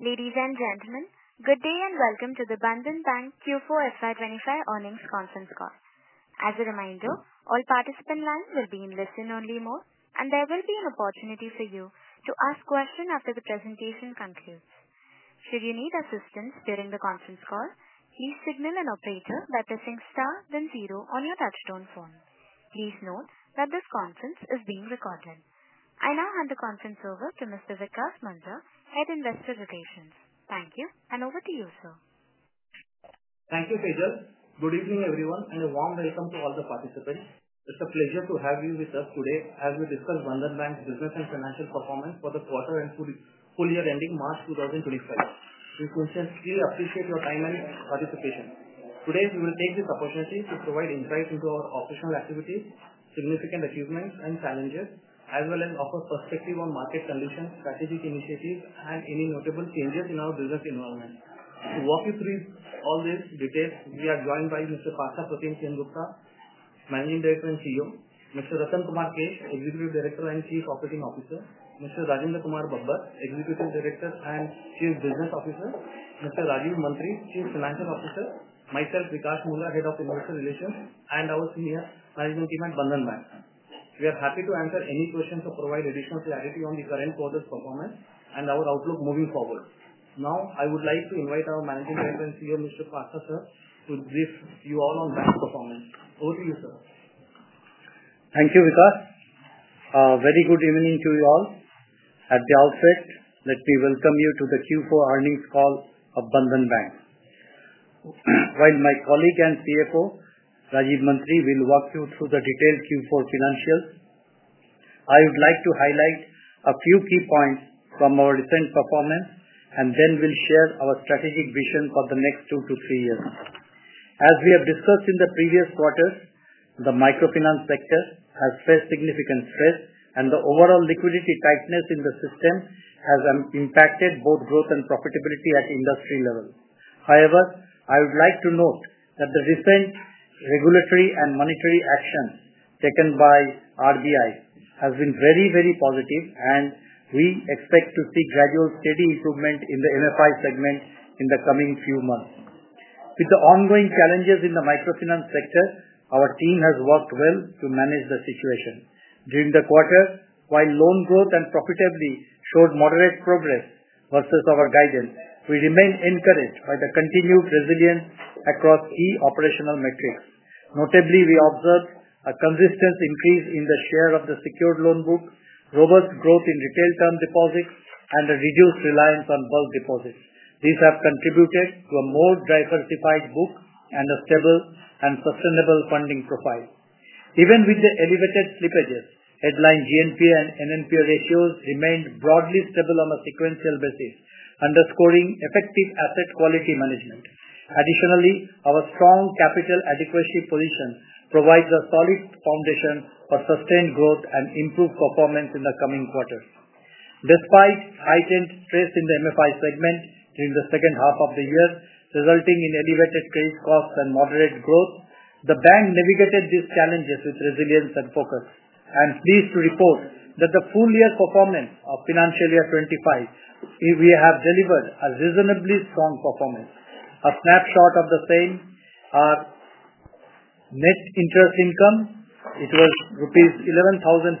Ladies and gentlemen, good day and welcome to the Bandhan Bank Q4 FY25 Earnings Conference Call. As a reminder, all participant lines will be in listen-only mode, and there will be an opportunity for you to ask questions after the presentation concludes. Should you need assistance during the conference call, please signal an operator by pressing star, then zero on your touchtone phone. Please note that this conference is being recorded. I now hand the conference over to Mr. Vikash Mundhra, Head Investor Relations. Thank you, and over to you, sir. Thank you, Sejal. Good evening, everyone, and a warm welcome to all the participants. It's a pleasure to have you with us today as we discuss Bandhan Bank's business and financial performance for the quarter and full year ending March 2025. We sincerely appreciate your time and participation. Today, we will take this opportunity to provide insights into our operational activities, significant achievements, and challenges, as well as offer perspective on market conditions, strategic initiatives, and any notable changes in our business environment. To walk you through all these details, we are joined by Mr. Partha Pratim Sengupta, Managing Director and CEO, Mr. Ratan Kumar Mesh, Executive Director and Chief Operating Officer, Mr. Rajinder Kumar Babbar, Executive Director and Chief Business Officer, Mr. Rajeev Mantri, Chief Financial Officer, myself, Vikash Mundhra, Head of Investor Relations, and our senior management team at Bandhan Bank. We are happy to answer any questions or provide additional clarity on the current quarter's performance and our outlook moving forward. Now, I would like to invite our Managing Director and CEO, Mr. Partha, sir, to brief you all on bank performance. Over to you, sir. Thank you, Vikash. A very good evening to you all. At the outset, let me welcome you to the Q4 earnings call of Bandhan Bank. While my colleague and CFO, Rajeev Mantri, will walk you through the detailed Q4 financials, I would like to highlight a few key points from our recent performance, and then we'll share our strategic vision for the next two to three years. As we have discussed in the previous quarters, the microfinance sector has faced significant stress, and the overall liquidity tightness in the system has impacted both growth and profitability at industry level. However, I would like to note that the recent regulatory and monetary actions taken by RBI have been very, very positive, and we expect to see gradual steady improvement in the MFI segment in the coming few months. With the ongoing challenges in the microfinance sector, our team has worked well to manage the situation. During the quarter, while loan growth and profitability showed moderate progress versus our guidance, we remain encouraged by the continued resilience across key operational metrics. Notably, we observed a consistent increase in the share of the secured loan book, robust growth in retail term deposits, and a reduced reliance on bulk deposits. These have contributed to a more diversified book and a stable and sustainable funding profile. Even with the elevated slippages, headline GNPA and NNPA ratios remained broadly stable on a sequential basis, underscoring effective asset quality management. Additionally, our strong capital adequacy position provides a solid foundation for sustained growth and improved performance in the coming quarters. Despite heightened stress in the MFI segment during the second half of the year, resulting in elevated credit costs and moderate growth, the bank navigated these challenges with resilience and focus. I'm pleased to report that the full year performance of financial year 2025, we have delivered a reasonably strong performance. A snapshot of the same: our net interest income, it was rupees 11,491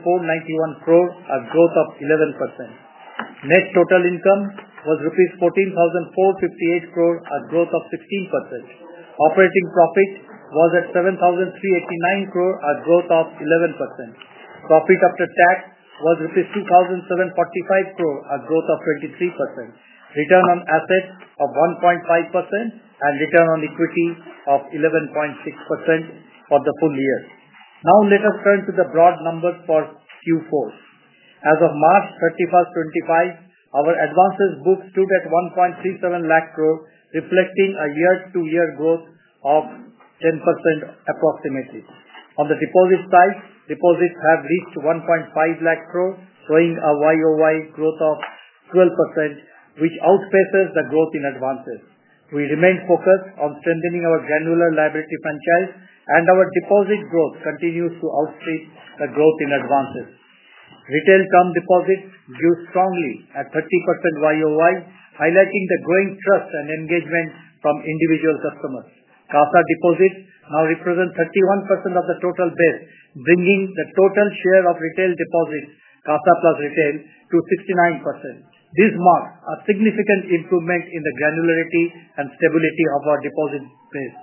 crore, a growth of 11%. Net total income was rupees 14,458 crore, a growth of 16%. Operating profit was at 7,389 crore, a growth of 11%. Profit after tax was rupees 2,745 crore, a growth of 23%. Return on assets of 1.5% and return on equity of 11.6% for the full year. Now, let us turn to the broad numbers for Q4. As of March 31, 2025, our advances book stood at 1.37 lakh crore, reflecting a year-to-year growth of 10% approximately. On the deposit side, deposits have reached 1.5 lakh crore, showing a year-over-year growth of 12%, which outpaces the growth in advances. We remain focused on strengthening our granular liability franchise, and our deposit growth continues to outpaces the growth in advances. Retail term deposits grew strongly at 30% year-over-year, highlighting the growing trust and engagement from individual customers. CASA deposits now represent 31% of the total base, bringing the total share of retail deposits, CASA plus retail, to 69%. This marks a significant improvement in the granularity and stability of our deposit base.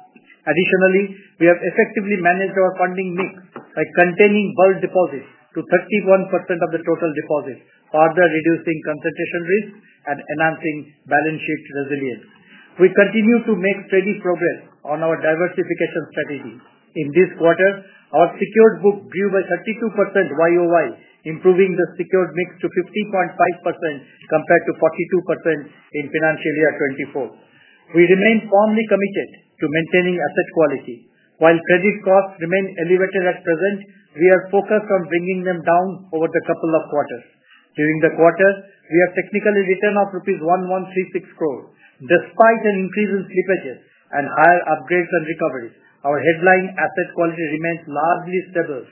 Additionally, we have effectively managed our funding mix by containing bulk deposits to 31% of the total deposits, further reducing concentration risk and enhancing balance sheet resilience. We continue to make steady progress on our diversification strategy. In this quarter, our secured book grew by 32% year over year, improving the secured mix to 50.5% compared to 42% in financial year 2024. We remain firmly committed to maintaining asset quality. While credit costs remain elevated at present, we are focused on bringing them down over the couple of quarters. During the quarter, we have technically returned rupees 1,136 crore. Despite an increase in slippages and higher upgrades and recoveries, our headline asset quality remains largely stable,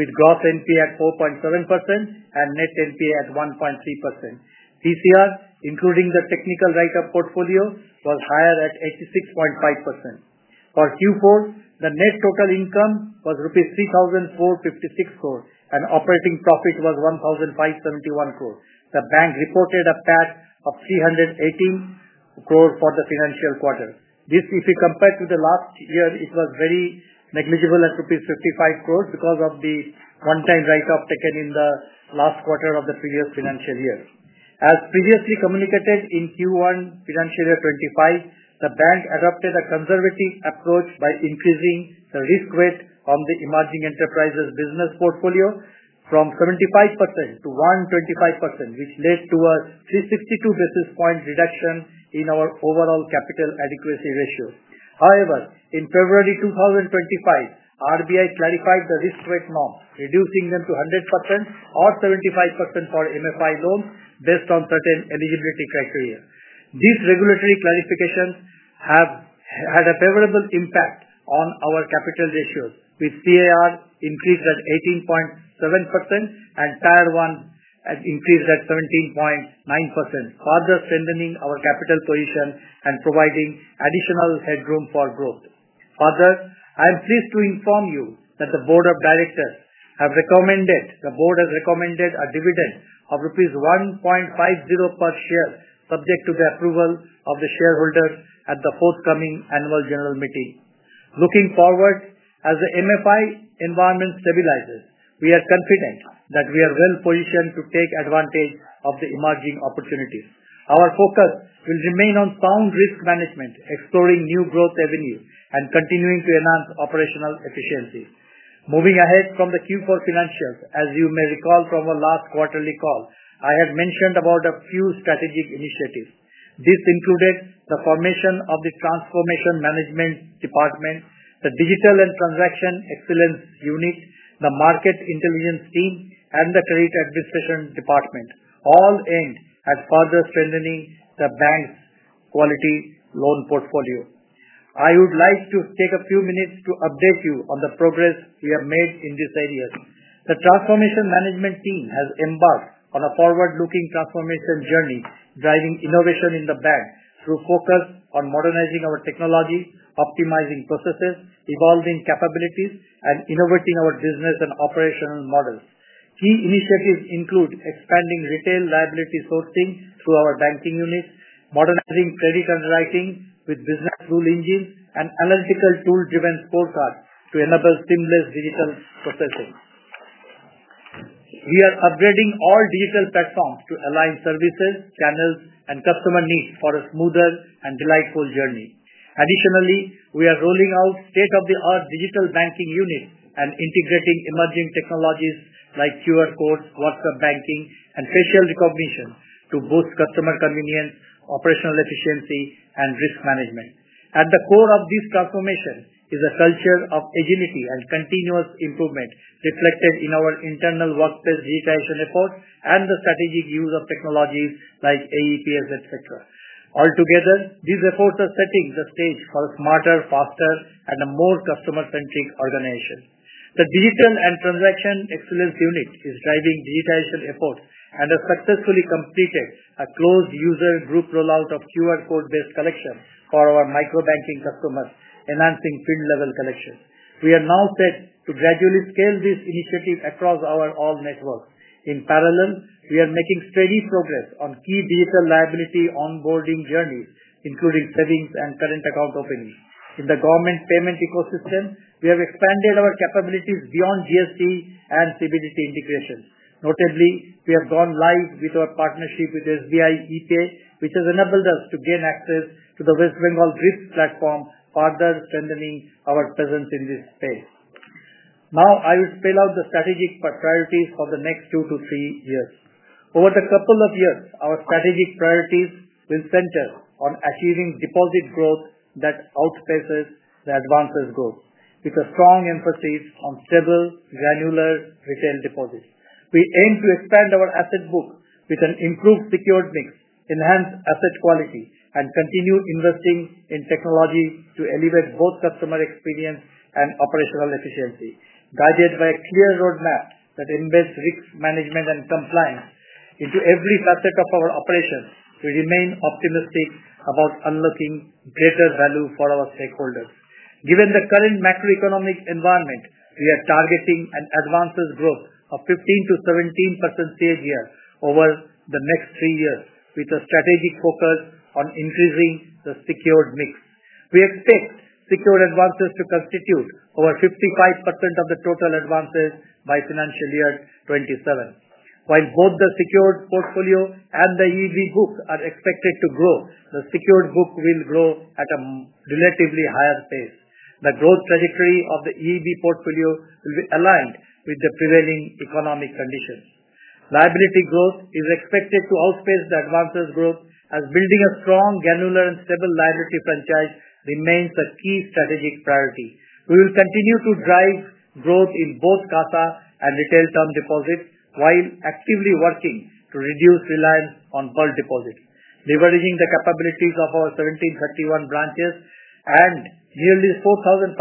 with Gross NPA at 4.7% and Net NPA at 1.3%. PCR, including the technical write-off portfolio, was higher at 86.5%. For Q4, the net total income was rupees 3,456 crore, and operating profit was 1,571 crore. The bank reported a PAT of 318 crore for the financial quarter. This, if we compare to the last year, it was very negligible at 55 crore because of the one-time write-off taken in the last quarter of the previous financial year. As previously communicated in Q1 financial year 2025, the bank adopted a conservative approach by increasing the risk rate on the Emerging Entrepreneurs Business portfolio from 75% to 125%, which led to a 362 basis point reduction in our overall capital adequacy ratio. However, in February 2025, RBI clarified the risk rate norms, reducing them to 100% or 75% for MFI loans based on certain eligibility criteria. These regulatory clarifications have had a favorable impact on our capital ratios, with CAR increased at 18.7% and Tier 1 increased at 17.9%, further strengthening our capital position and providing additional headroom for growth. Further, I am pleased to inform you that the Board of Directors have recommended a dividend of rupees 1.50 per share, subject to the approval of the shareholders at the forthcoming annual general meeting. Looking forward, as the MFI environment stabilizes, we are confident that we are well positioned to take advantage of the emerging opportunities. Our focus will remain on sound risk management, exploring new growth avenues, and continuing to enhance operational efficiency. Moving ahead from the Q4 financials, as you may recall from our last quarterly call, I had mentioned about a few strategic initiatives. This included the formation of the Transformation Management Department, the Digital and Transaction Excellence Unit, the Market Intelligence Team, and the Credit Administration Department, all aimed at further strengthening the bank's quality loan portfolio. I would like to take a few minutes to update you on the progress we have made in these areas. The Transformation Management Team has embarked on a forward-looking transformation journey, driving innovation in the bank through focus on modernizing our technology, optimizing processes, evolving capabilities, and innovating our business and operational models. Key initiatives include expanding retail liability sourcing through our banking units, modernizing credit underwriting with business rule engines, and analytical tool-driven scorecards to enable seamless digital processing. We are upgrading all digital platforms to align services, channels, and customer needs for a smoother and delightful journey. Additionally, we are rolling out state-of-the-art digital banking units and integrating emerging technologies like QR codes, WhatsApp banking, and facial recognition to boost customer convenience, operational efficiency, and risk management. At the core of this transformation is a culture of agility and continuous improvement, reflected in our internal workspace digitization efforts and the strategic use of technologies like AePS, etc. Altogether, these efforts are setting the stage for a smarter, faster, and a more customer-centric organization. The Digital and Transaction Excellence Unit is driving digitization efforts and has successfully completed a closed user group rollout of QR code-based collection for our microbanking customers, enhancing field-level collections. We are now set to gradually scale this initiative across all our networks. In parallel, we are making steady progress on key digital liability onboarding journeys, including savings and current account openings. In the government payment ecosystem, we have expanded our capabilities beyond GST and CBDT integration. Notably, we have gone live with our partnership with SBI ePay, which has enabled us to gain access to the West Bengal GRIPS platform, further strengthening our presence in this space. Now, I will spell out the strategic priorities for the next two to three years. Over the couple of years, our strategic priorities will center on achieving deposit growth that outpaces the advances growth, with a strong emphasis on stable, granular retail deposits. We aim to expand our asset book with an improved secured mix, enhance asset quality, and continue investing in technology to elevate both customer experience and operational efficiency. Guided by a clear roadmap that embeds risk management and compliance into every facet of our operations, we remain optimistic about unlocking greater value for our stakeholders. Given the current macroeconomic environment, we are targeting an advances growth of 15%-17% CAGR over the next three years, with a strategic focus on increasing the secured mix. We expect secured advances to constitute over 55% of the total advances by financial year 2027. While both the secured portfolio and the EEB book are expected to grow, the secured book will grow at a relatively higher pace. The growth trajectory of the EEB portfolio will be aligned with the prevailing economic conditions. Liability growth is expected to outpace the advances growth, as building a strong, granular, and stable liability franchise remains a key strategic priority. We will continue to drive growth in both CASA and retail term deposits while actively working to reduce reliance on bulk deposits. Leveraging the capabilities of our 1,731 branches and nearly 4,594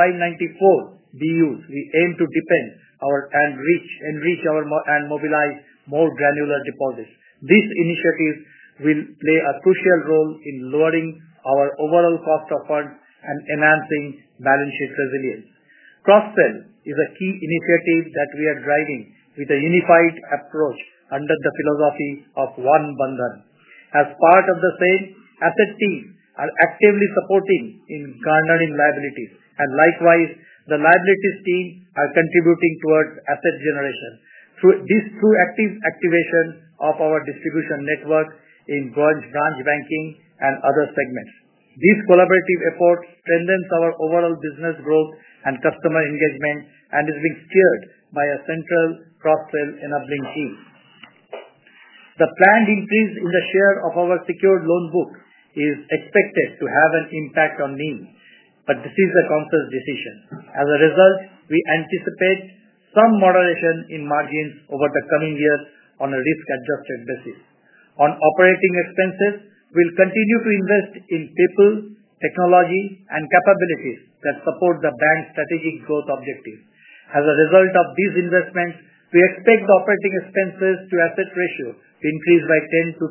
BUs, we aim to deepen our reach and mobilize more granular deposits. This initiative will play a crucial role in lowering our overall cost of funds and enhancing balance sheet resilience. Cross-sell is a key initiative that we are driving with a unified approach under the philosophy of One Bandhan. As part of the same, asset teams are actively supporting in garnering liabilities, and likewise, the liabilities team are contributing towards asset generation. This is through active activation of our distribution network in branch banking and other segments. This collaborative effort strengthens our overall business growth and customer engagement and is being steered by a central cross-sell enabling team. The planned increase in the share of our secured loan book is expected to have an impact on yields, but this is a conscious decision. As a result, we anticipate some moderation in margins over the coming years on a risk-adjusted basis. On operating expenses, we will continue to invest in people, technology, and capabilities that support the bank's strategic growth objectives. As a result of these investments, we expect the operating expenses to asset ratio to increase by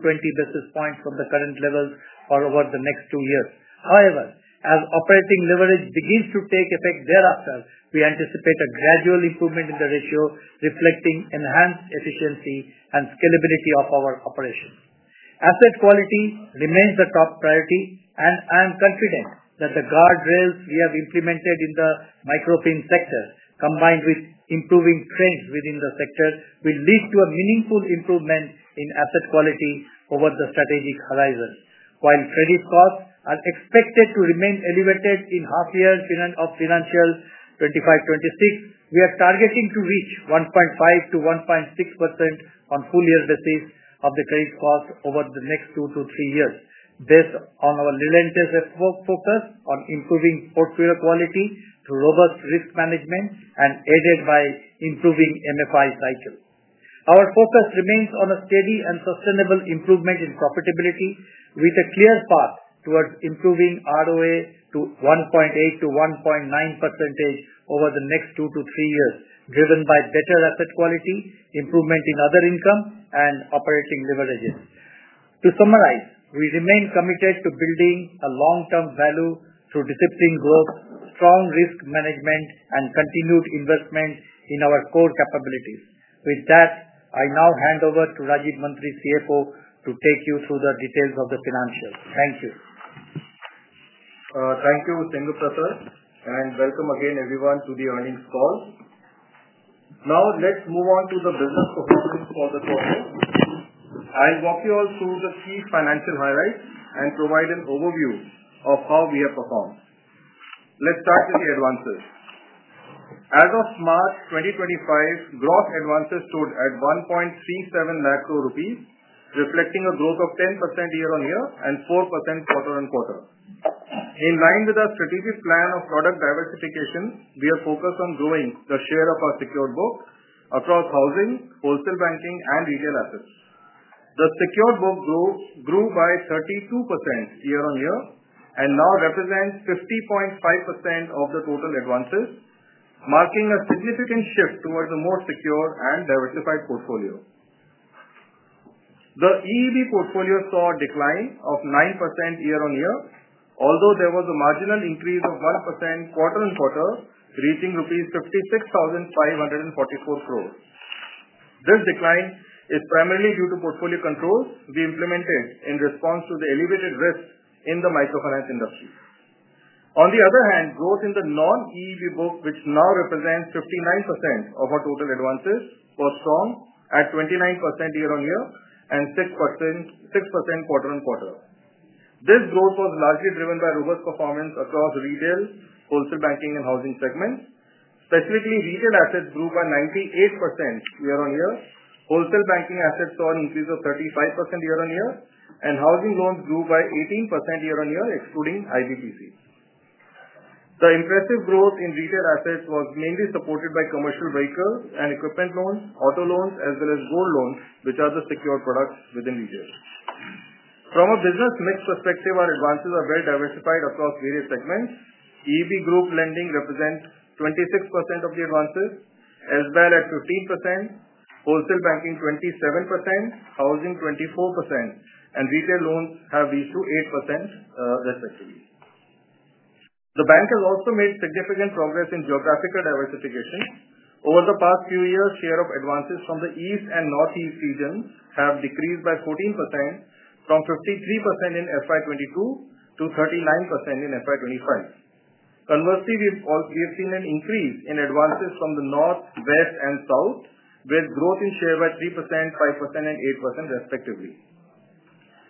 10-20 basis points from the current levels for over the next two years. However, as operating leverage begins to take effect thereafter, we anticipate a gradual improvement in the ratio, reflecting enhanced efficiency and scalability of our operations. Asset quality remains the top priority, and I am confident that the guardrails we have implemented in the microfin sector, combined with improving trends within the sector, will lead to a meaningful improvement in asset quality over the strategic horizon. While credit costs are expected to remain elevated in half year of financial 2025-2026, we are targeting to reach 1.5%-1.6% on full year basis of the credit costs over the next two to three years, based on our relentless focus on improving portfolio quality through robust risk management and aided by improving MFI cycle. Our focus remains on a steady and sustainable improvement in profitability, with a clear path towards improving ROA to 1.8%-1.9% over the next two to three years, driven by better asset quality, improvement in other income, and operating leverages. To summarize, we remain committed to building a long-term value through disciplined growth, strong risk management, and continued investment in our core capabilities. With that, I now hand over to Rajeev Mantri, CFO, to take you through the details of the financials. Thank you. Thank you, Sengupta Sir, and welcome again everyone to the earnings call. Now, let's move on to the business performance for the quarter. I'll walk you all through the key financial highlights and provide an overview of how we have performed. Let's start with the advances. As of March 2025, gross advances stood at 1.37 lakh crore rupees, reflecting a growth of 10% year-on-year and 4% quarter-on-quarter. In line with our strategic plan of product diversification, we are focused on growing the share of our secured book across housing, wholesale banking, and retail assets. The secured book grew by 32% year-on-year and now represents 50.5% of the total advances, marking a significant shift towards a more secure and diversified portfolio. The EEB portfolio saw a decline of 9% year-on-year, although there was a marginal increase of 1% quarter-on-quarter, reaching rupees 56,544 crore. This decline is primarily due to portfolio controls we implemented in response to the elevated risk in the microfinance industry. On the other hand, growth in the non-EEB book, which now represents 59% of our total advances, was strong at 29% year-on-year and 6% quarter-on-quarter. This growth was largely driven by robust performance across retail, wholesale banking, and housing segments. Specifically, retail assets grew by 98% year-on-year, wholesale banking assets saw an increase of 35% year-on-year, and housing loans grew by 18% year-on-year, excluding IBPC. The impressive growth in retail assets was mainly supported by commercial vehicles and equipment loans, auto loans, as well as gold loans, which are the secured products within retail. From a business mix perspective, our advances are well diversified across various segments. EEB group lending represents 26% of the advances, as well as 15%, wholesale banking 27%, housing 24%, and retail loans have reached 8%, respectively. The bank has also made significant progress in geographical diversification. Over the past few years, the share of advances from the east and northeast regions has decreased by 14%, from 53% in 2022 to 39% in 2025. Conversely, we have seen an increase in advances from the north, west, and south, with growth in share by 3%, 5%, and 8%, respectively.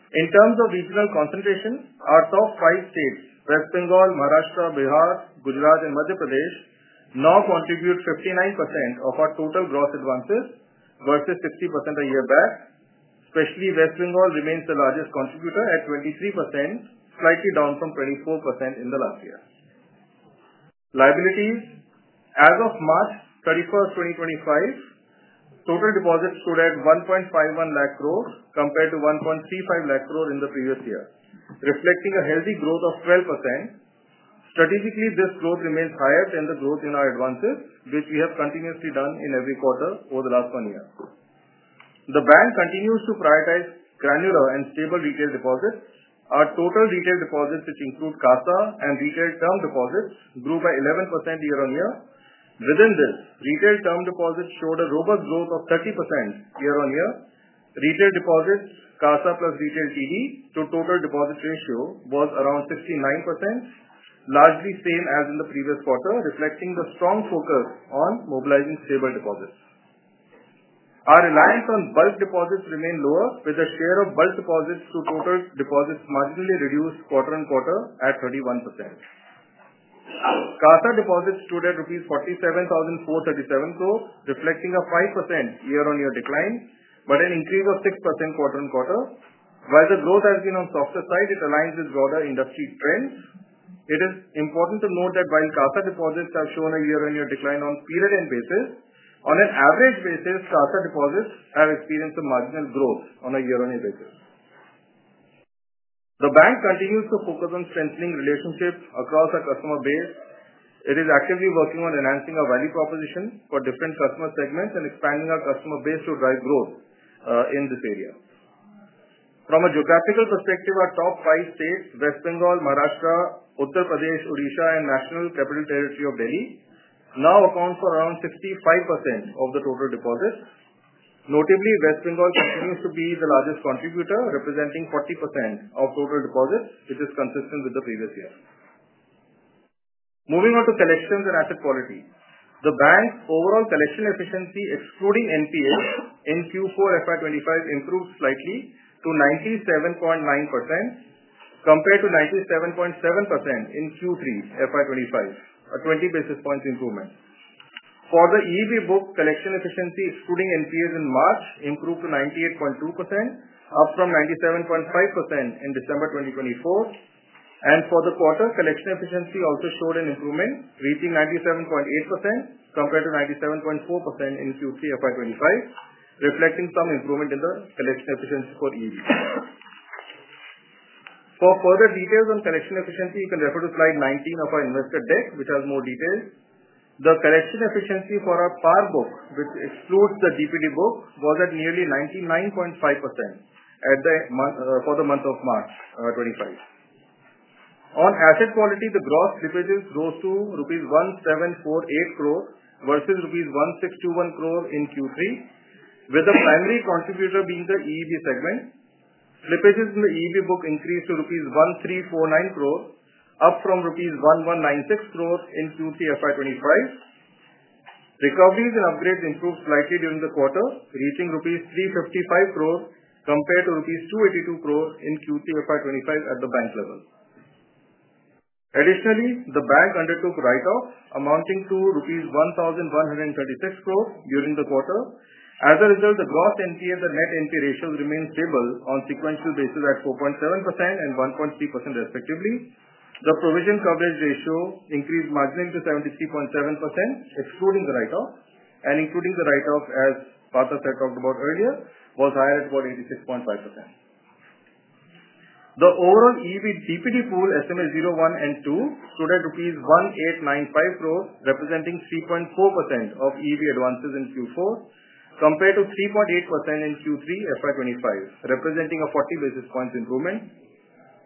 In terms of regional concentration, our top five states—West Bengal, Maharashtra, Bihar, Gujarat, and Madhya Pradesh—now contribute 59% of our total gross advances versus 60% a year back. Especially, West Bengal remains the largest contributor at 23%, slightly down from 24% in the last year. Liabilities: As of March 31, 2025, total deposits stood at 1.51 lakh crore compared to 1.35 lakh crore in the previous year, reflecting a healthy growth of 12%. Strategically, this growth remains higher than the growth in our advances, which we have continuously done in every quarter over the last one year. The bank continues to prioritize granular and stable retail deposits. Our total retail deposits, which include CASA and retail term deposits, grew by 11% year-on-year. Within this, retail term deposits showed a robust growth of 30% year-on-year. Retail deposits, CASA plus retail TD, to total deposit ratio was around 69%, largely same as in the previous quarter, reflecting the strong focus on mobilizing stable deposits. Our reliance on bulk deposits remained lower, with the share of bulk deposits to total deposits marginally reduced quarter-on-quarter at 31%. CASA deposits stood at 47,437 crore rupees, reflecting a 5% year-on-year decline but an increase of 6% quarter-on-quarter. While the growth has been on the softer side, it aligns with broader industry trends. It is important to note that while CASA deposits have shown a year-on-year decline on a period-end basis, on an average basis, CASA deposits have experienced a marginal growth on a year-on-year basis. The bank continues to focus on strengthening relationships across our customer base. It is actively working on enhancing our value proposition for different customer segments and expanding our customer base to drive growth in this area. From a geographical perspective, our top five states—West Bengal, Maharashtra, Uttar Pradesh, Odisha, and National Capital Territory of Delhi—now account for around 65% of the total deposits. Notably, West Bengal continues to be the largest contributor, representing 40% of total deposits, which is consistent with the previous year. Moving on to collections and asset quality. The bank's overall collection efficiency, excluding NPAs, in Q4 FY25 improved slightly to 97.9%, compared to 97.7% in Q3 FY25, a 20 basis points improvement. For the EEB book, collection efficiency, excluding NPAs in March, improved to 98.2%, up from 97.5% in December 2024. For the quarter, collection efficiency also showed an improvement, reaching 97.8% compared to 97.4% in Q3 FY25, reflecting some improvement in the collection efficiency for EEBs. For further details on collection efficiency, you can refer to slide 19 of our investor deck, which has more details. The collection efficiency for our PAR book, which excludes the DPD book, was at nearly 99.5% for the month of March 2025. On asset quality, the gross slippages rose to rupees 1,748 crore versus rupees 1,621 crore in Q3, with the primary contributor being the EEB segment. Slippages in the EEB book increased to rupees 1,349 crore, up from rupees 1,196 crore in Q3 FY25. Recoveries and upgrades improved slightly during the quarter, reaching rupees 355 crore compared to rupees 282 crore in Q3 FY25 at the bank level. Additionally, the bank undertook write-off amounting to rupees 1,136 crore during the quarter. As a result, the Gross NPA and the Net NPA ratios remained stable on a sequential basis at 4.7% and 1.3%, respectively. The provision coverage ratio increased marginally to 73.7%, excluding the write-off, and including the write-off, as Partha Pratim Sengupta talked about earlier, was higher at about 86.5%. The overall EEB DPD pool, SMA 01 and 02, stood at rupees 1,895 crore, representing 3.4% of EEB advances in Q4, compared to 3.8% in Q3 FY25, representing a 40 basis points improvement.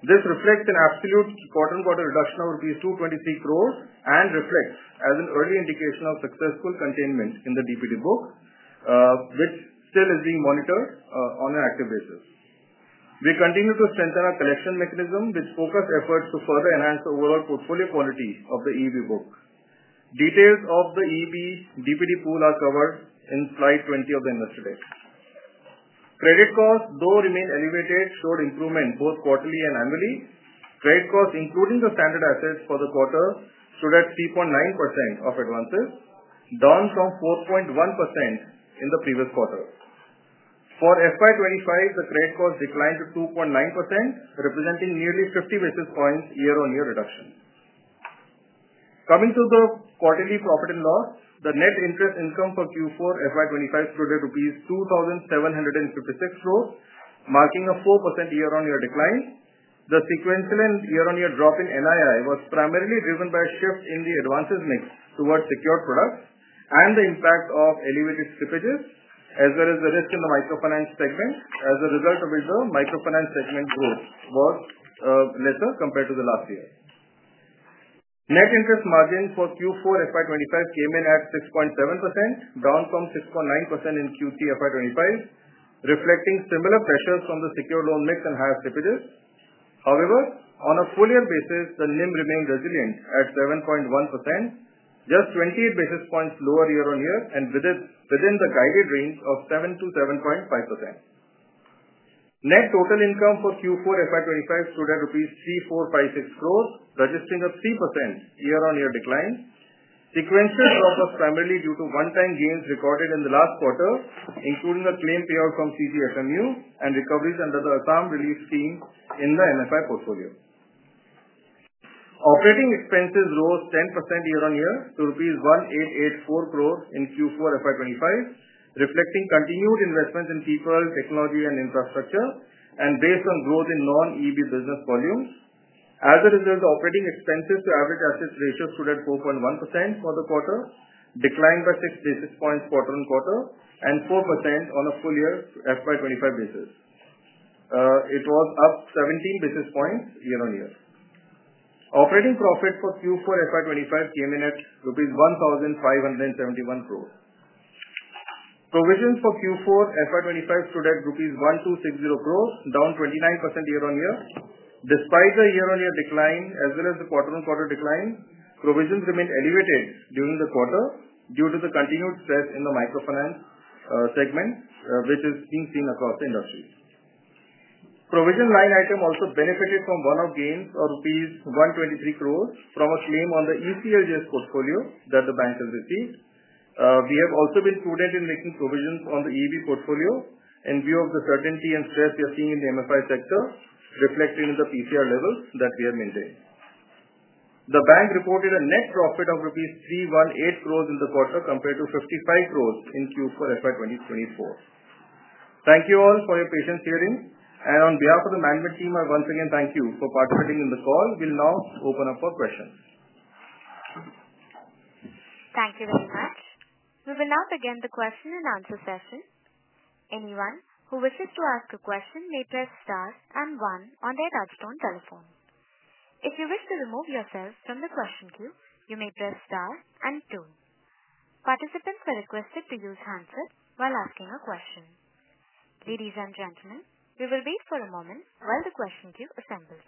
This reflects an absolute quarter-on-quarter reduction of 223 crore and reflects, as an early indication of successful containment in the DPD book, which still is being monitored on an active basis. We continue to strengthen our collection mechanism, which focuses efforts to further enhance the overall portfolio quality of the EEB book. Details of the EEB DPD pool are covered in slide 20 of the investor deck. Credit costs, though remained elevated, showed improvement both quarterly and annually. Credit costs, including the standard assets for the quarter, stood at 3.9% of advances, down from 4.1% in the previous quarter. For FY 2025, the credit costs declined to 2.9%, representing nearly 50 basis points year-on-year reduction. Coming to the quarterly profit and loss, the net interest income for Q4 FY 2025 stood at rupees 2,756 crore, marking a 4% year-on-year decline. The sequential and year-on-year drop in NII was primarily driven by a shift in the advances mix towards secured products and the impact of elevated slippages, as well as the risk in the microfinance segment, as a result of which the microfinance segment growth was lesser compared to the last year. Net interest margin for Q4 FY2025 came in at 6.7%, down from 6.9% in Q3 FY2025, reflecting similar pressures from the secured loan mix and higher slippages. However, on a full-year basis, the NIM remained resilient at 7.1%, just 28 basis points lower year-on-year and within the guided range of 7%-7.5%. Net total income for Q4 FY2025 stood at INR 3,456 crore, suggesting a 3% year-on-year decline. Sequential drop was primarily due to one-time gains recorded in the last quarter, including a claim payout from CGFMU and recoveries under the Assam Relief Scheme in the MFI portfolio. Operating expenses rose 10% year-on-year to rupees 1,884 crore in Q4 FY25, reflecting continued investments in people, technology, and infrastructure, and based on growth in non-EEB business volumes. As a result, the operating expenses to average assets ratio stood at 4.1% for the quarter, declined by 6 basis points quarter-on-quarter, and 4% on a full-year FY25 basis. It was up 17 basis points year-on-year. Operating profit for Q4 FY25 came in at rupees 1,571 crore. Provisions for Q4 FY25 stood at rupees 1,260 crore, down 29% year-on-year. Despite the year-on-year decline as well as the quarter-on-quarter decline, provisions remained elevated during the quarter due to the continued stress in the microfinance segment, which is being seen across the industry. Provision line item also benefited from one-off gains of rupees 123 crore from a claim on the ECLGS portfolio that the bank has received. We have also been prudent in making provisions on the EEB portfolio in view of the certainty and stress we are seeing in the MFI sector, reflected in the PCR levels that we have maintained. The bank reported a net profit of rupees 318 crore in the quarter compared to 55 crore in Q4 Fiscal Year 2024. Thank you all for your patience here. On behalf of the management team, I once again thank you for participating in the call. We will now open up for questions. Thank you very much. We will now begin the question and answer session. Anyone who wishes to ask a question may press star and one on their touchtone telephone. If you wish to remove yourself from the question queue, you may press star and two. Participants are requested to use handsets while asking a question. Ladies and gentlemen, we will wait for a moment while the question queue assembles.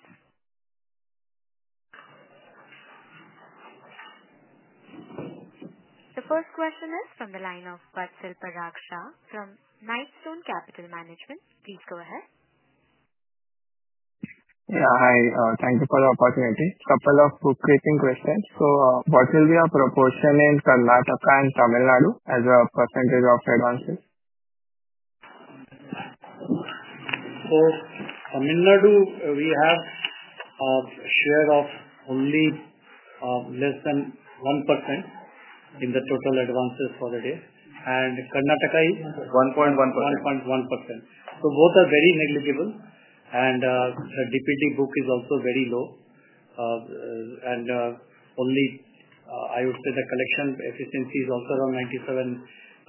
The first question is from the line of Vatsal Parag Shah from Knightstone Capital Management. Please go ahead. Yeah, hi. Thank you for the opportunity. Couple of quick questions. What will be our proportion in Karnataka and Tamil Nadu as a percentage of advances? Tamil Nadu, we have a share of only less than 1% in the total advances for the day. Karnataka is 1.1%. 1.1%. Both are very negligible. The DPD book is also very low. Only, I would say, the collection efficiency is also around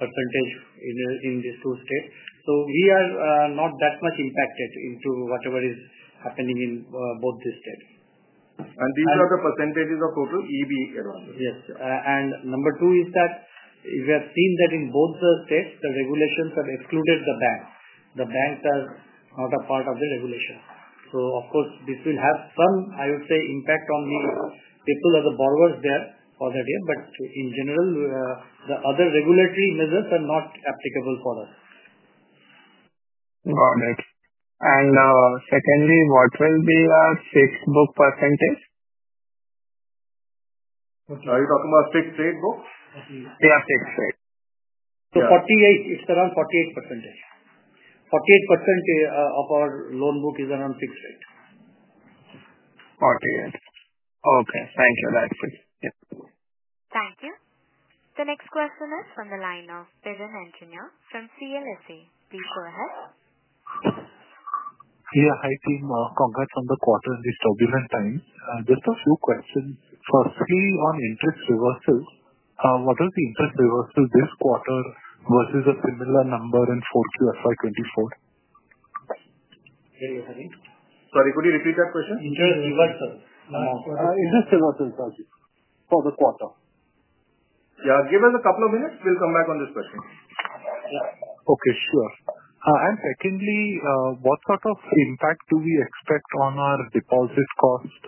97% in these two states. We are not that much impacted into whatever is happening in both these states. These are the percentages of total EEB advances? Yes. Number two is that we have seen that in both the states, the regulations have excluded the bank. The bank is not a part of the regulation. Of course, this will have some, I would say, impact on the people as the borrowers there for that year. In general, the other regulatory measures are not applicable for us. Got it. Secondly, what will be our fixed book percentage? Are you talking about fixed rate book? Yeah, fixed rate. It is around 48%. 48% of our loan book is around fixed rate. 48. Okay. Thank you. That is it. Thank you. The next question is from the line of Piran Engineer from CLSA. Please go ahead. Yeah. Hi team. Congrats on the quarter, disturbing time. Just a few questions. Firstly, on interest reversal, what is the interest reversal this quarter versus a similar number in Q4 FY2024? Sorry, could you repeat that question? Interest reversal. Interest reversal, sorry. For the quarter. Yeah. Give us a couple of minutes. We'll come back on this question. Yeah. Okay. Sure. Secondly, what sort of impact do we expect on our deposit cost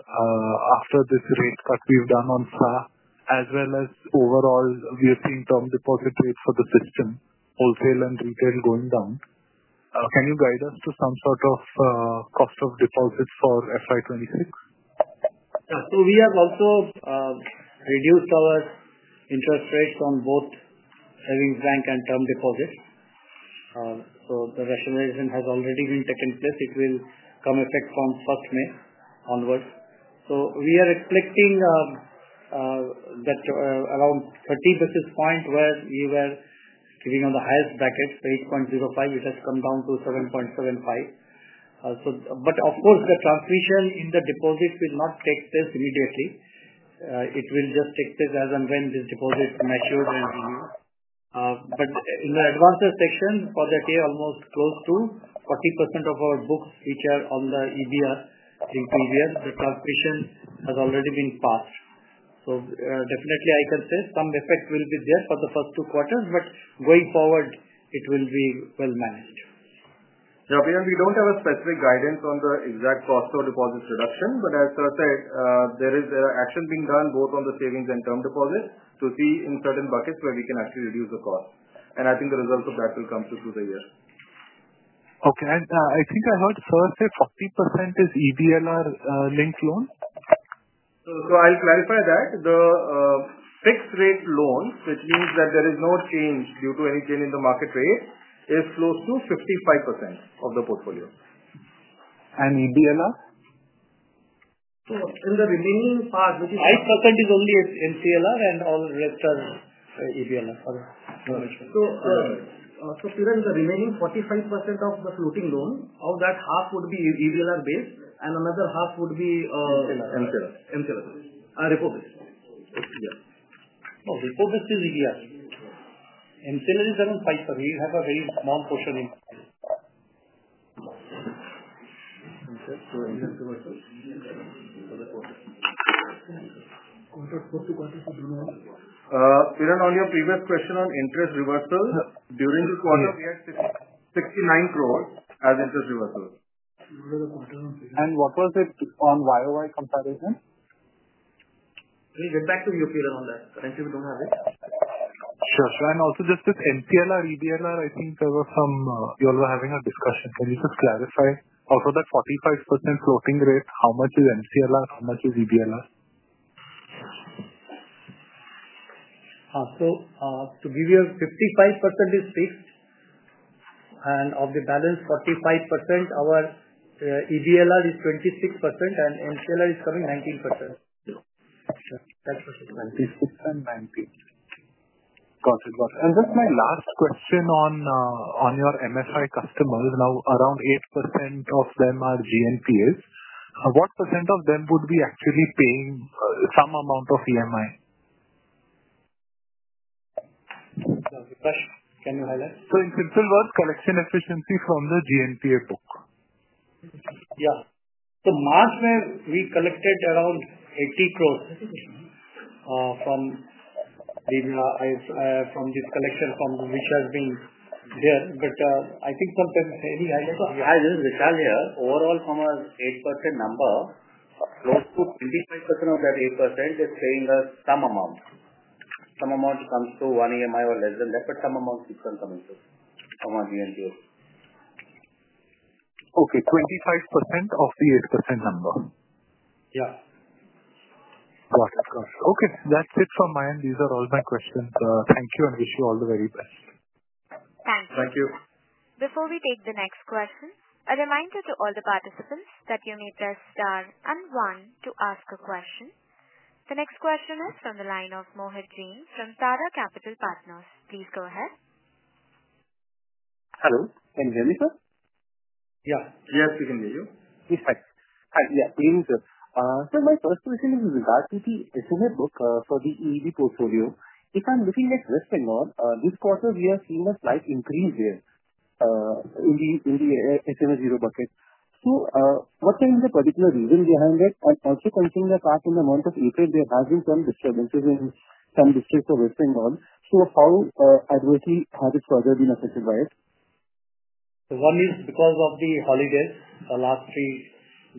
after this rate cut we've done on SB, as well as overall we are seeing term deposit rates for the system, wholesale and retail going down? Can you guide us to some sort of cost of deposit for FY2026? We have also reduced our interest rates on both savings bank and term deposits. The rationalization has already taken place. It will come into effect from May 1 onwards. We are expecting that around 30 basis points where we were giving on the highest bracket, 8.05, it has come down to 7.75. Of course, the transmission in the deposit will not take place immediately. It will just take place as and when these deposits mature and renew. In the advances section, for that year, almost close to 40% of our books which are on the EBLR into EBLR, the transmission has already been passed. I can say some effect will be there for the first two quarters. Going forward, it will be well-managed. Yeah. We do not have a specific guidance on the exact cost of deposits reduction. But as sir said, there is action being done both on the savings and term deposits to see in certain buckets where we can actually reduce the cost. I think the results of that will come through through the year. Okay. I think I heard sir say 40% is EBLR linked loans? I will clarify that. The fixed rate loans, which means that there is no change due to any change in the market rate, is close to 55% of the portfolio. EBLR? In the remaining part, 5% is only MCLR and all rest are EBLR. Piran, the remaining 45% of the floating loan, of that half would be EBLR-based and another half would be MCLR. MCLR. MCLR. Repo-based. Yeah. Oh, repo-based is EBLR? MCLR is around 5%. We have a very small portion in. Okay. Interest reversal for the quarter. Quarter four to quarter two, do you know? Piran, on your previous question on interest reversal, during the quarter, we had 69 crore as interest reversal. What was it on year-over-year comparison? Please get back to you, Piran, on that. Currently, we don't have it. Sure. Sure. Also just with MCLR, EBLR, I think there was some you all were having a discussion. Can you just clarify? Out of that 45% floating rate, how much is MCLR, how much is EBLR? To give you, 55% is fixed. Of the balance, 45%, our EBLR is 26% and MCLR is coming 19%. That's for sure. 26% and 19%. Got it. Got it. Just my last question on your MFI customers, now around 8% of them are GNPAs. What percent of them would be actually paying some amount of EMI? Can you highlight? In simple words, collection efficiency from the GNPA book. Yeah. March where we collected around 80 crore from this collection from which has been there. I think sometimes any highlights of. Hi there. Vikash here. Overall, from an 8% number, close to 25% of that 8% is paying us some amount. Some amount comes to 1 EMI or less than that, but some amount keeps on coming through from our GNPA. Okay. 25% of the 8% number? Yeah. Got it. Got it. Okay. That's it from my end. These are all my questions. Thank you and wish you all the very best. Thank you. Thank you. Before we take the next question, a reminder to all the participants that you may press star and one to ask a question. The next question is from the line of Mohit Jain, from Tara Capital Partners. Please go ahead. Hello. Can you hear me, sir? Yeah. Yes, we can hear you. Yes. Hi. Hi. Yeah. Please do. My first question is with regard to the SMA book for the EEB portfolio. If I'm looking at West Bengal, this quarter, we are seeing a slight increase there in the SMA zero bucket. What can be the particular reason behind it? Also, considering the fact in the month of April, there have been some disturbances in some districts of West Bengal. How adversely has it further been affected by it? One is because of the holidays. The last three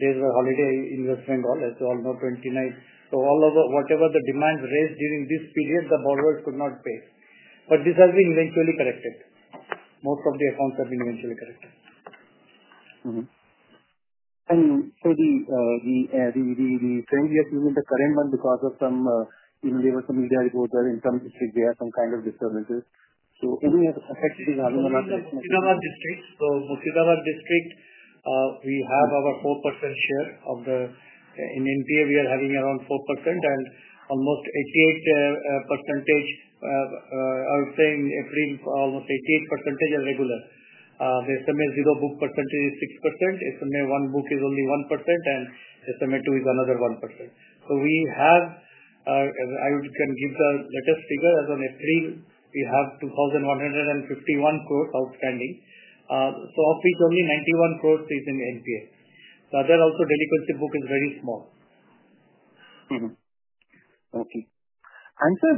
days were holiday in West Bengal, as you all know, 29th. All over, whatever the demand raised during this period, the borrowers could not pay. This has been eventually corrected. Most of the accounts have been eventually corrected. The 20th is in the current month because there was a media report that in some district, there are some kind of disturbances. Any effect this has on the market? Murshidabad district. Murshidabad district, we have our 4% share of the NPA, we are having around 4%. Almost 88%, I would say in April, almost 88% is regular. The SMA zero book percentage is 6%. SMA one book is only 1%, and SMA two is another 1%. I can give the latest figure as of April, we have 2,151 crore outstanding, of which only 91 crore is in NPA. The other also delinquency book is very small. Okay. Sir,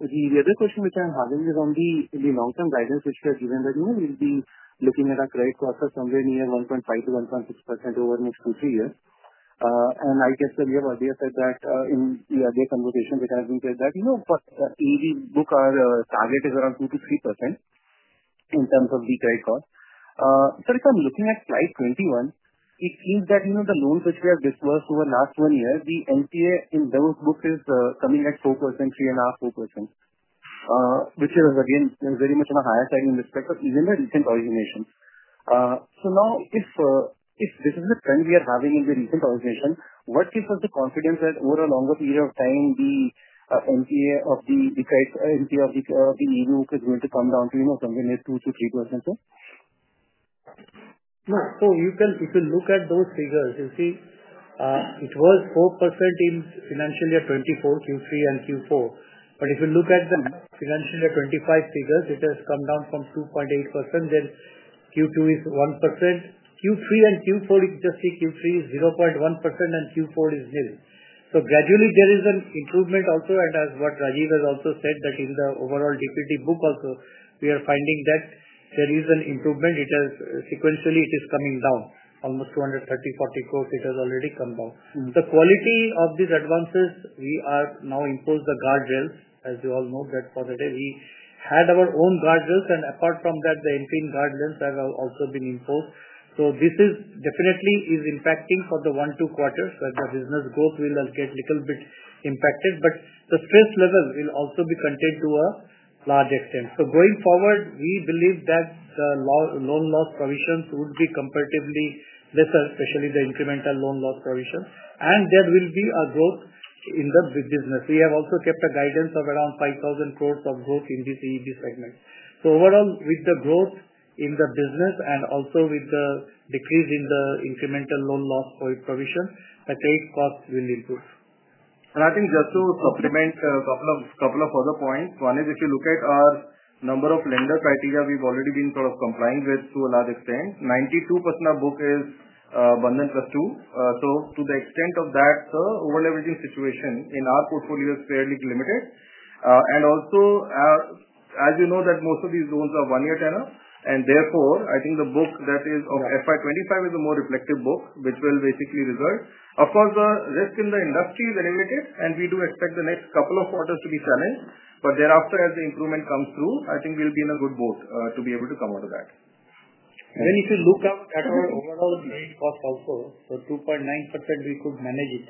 the other question which I'm having is on the long-term guidance which we have given that we'll be looking at our credit cost of somewhere near 1.5-1.6% over the next two, three years. I guess that we have already said that in the earlier conversation, which has been said that EEB book our target is around 2-3% in terms of the credit cost. If I'm looking at slide 21, it seems that the loans which we have disbursed over the last one year, the NPA in those books is coming at 4%, 3.5%, 4%, which is again very much on the higher side in respect of even the recent origination. If this is the trend we are having in the recent origination, what gives us the confidence that over a longer period of time, the NPA of the credit NPA of the EEB book is going to come down to somewhere near 2-3%, sir? Yeah. If you look at those figures, you see it was 4% in financial year 2024, Q3, and Q4. If you look at the financial year 2025 figures, it has come down from 2.8%. Q2 is 1%. Q3 and Q4, just see Q3 is 0.1% and Q4 is nil. Gradually there is an improvement also. As Rajeev has also said, in the overall DPD book also, we are finding that there is an improvement. Sequentially, it is coming down. Almost 230-240 crore, it has already come down. The quality of these advances, we are now imposed the guardrails, as you all know for that day. We had our own guardrails. Apart from that, the NPA guardrails have also been imposed. This is definitely impacting for the one to two quarters where the business growth will get a little bit impacted. The stress level will also be contained to a large extent. Going forward, we believe that the loan loss provisions would be comparatively lesser, especially the incremental loan loss provisions. There will be a growth in the business. We have also kept a guidance of around 5,000 crore of growth in this EEB segment. Overall, with the growth in the business and also with the decrease in the incremental loan loss provision, the credit cost will improve. I think just to supplement a couple of other points, one is if you look at our number of lender criteria, we have already been sort of complying with to a large extent. 92% of book is Bandhan Trust 2. To the extent of that, sir, over-leveraging situation in our portfolio is fairly limited. Also, as you know, most of these loans are one-year tenor. Therefore, I think the book that is of FY25 is a more reflective book, which will basically result. Of course, the risk in the industry is elevated, and we do expect the next couple of quarters to be challenged. Thereafter, as the improvement comes through, I think we'll be in a good boat to be able to come out of that. If you look at our overall credit cost also, 2.9%, we could manage it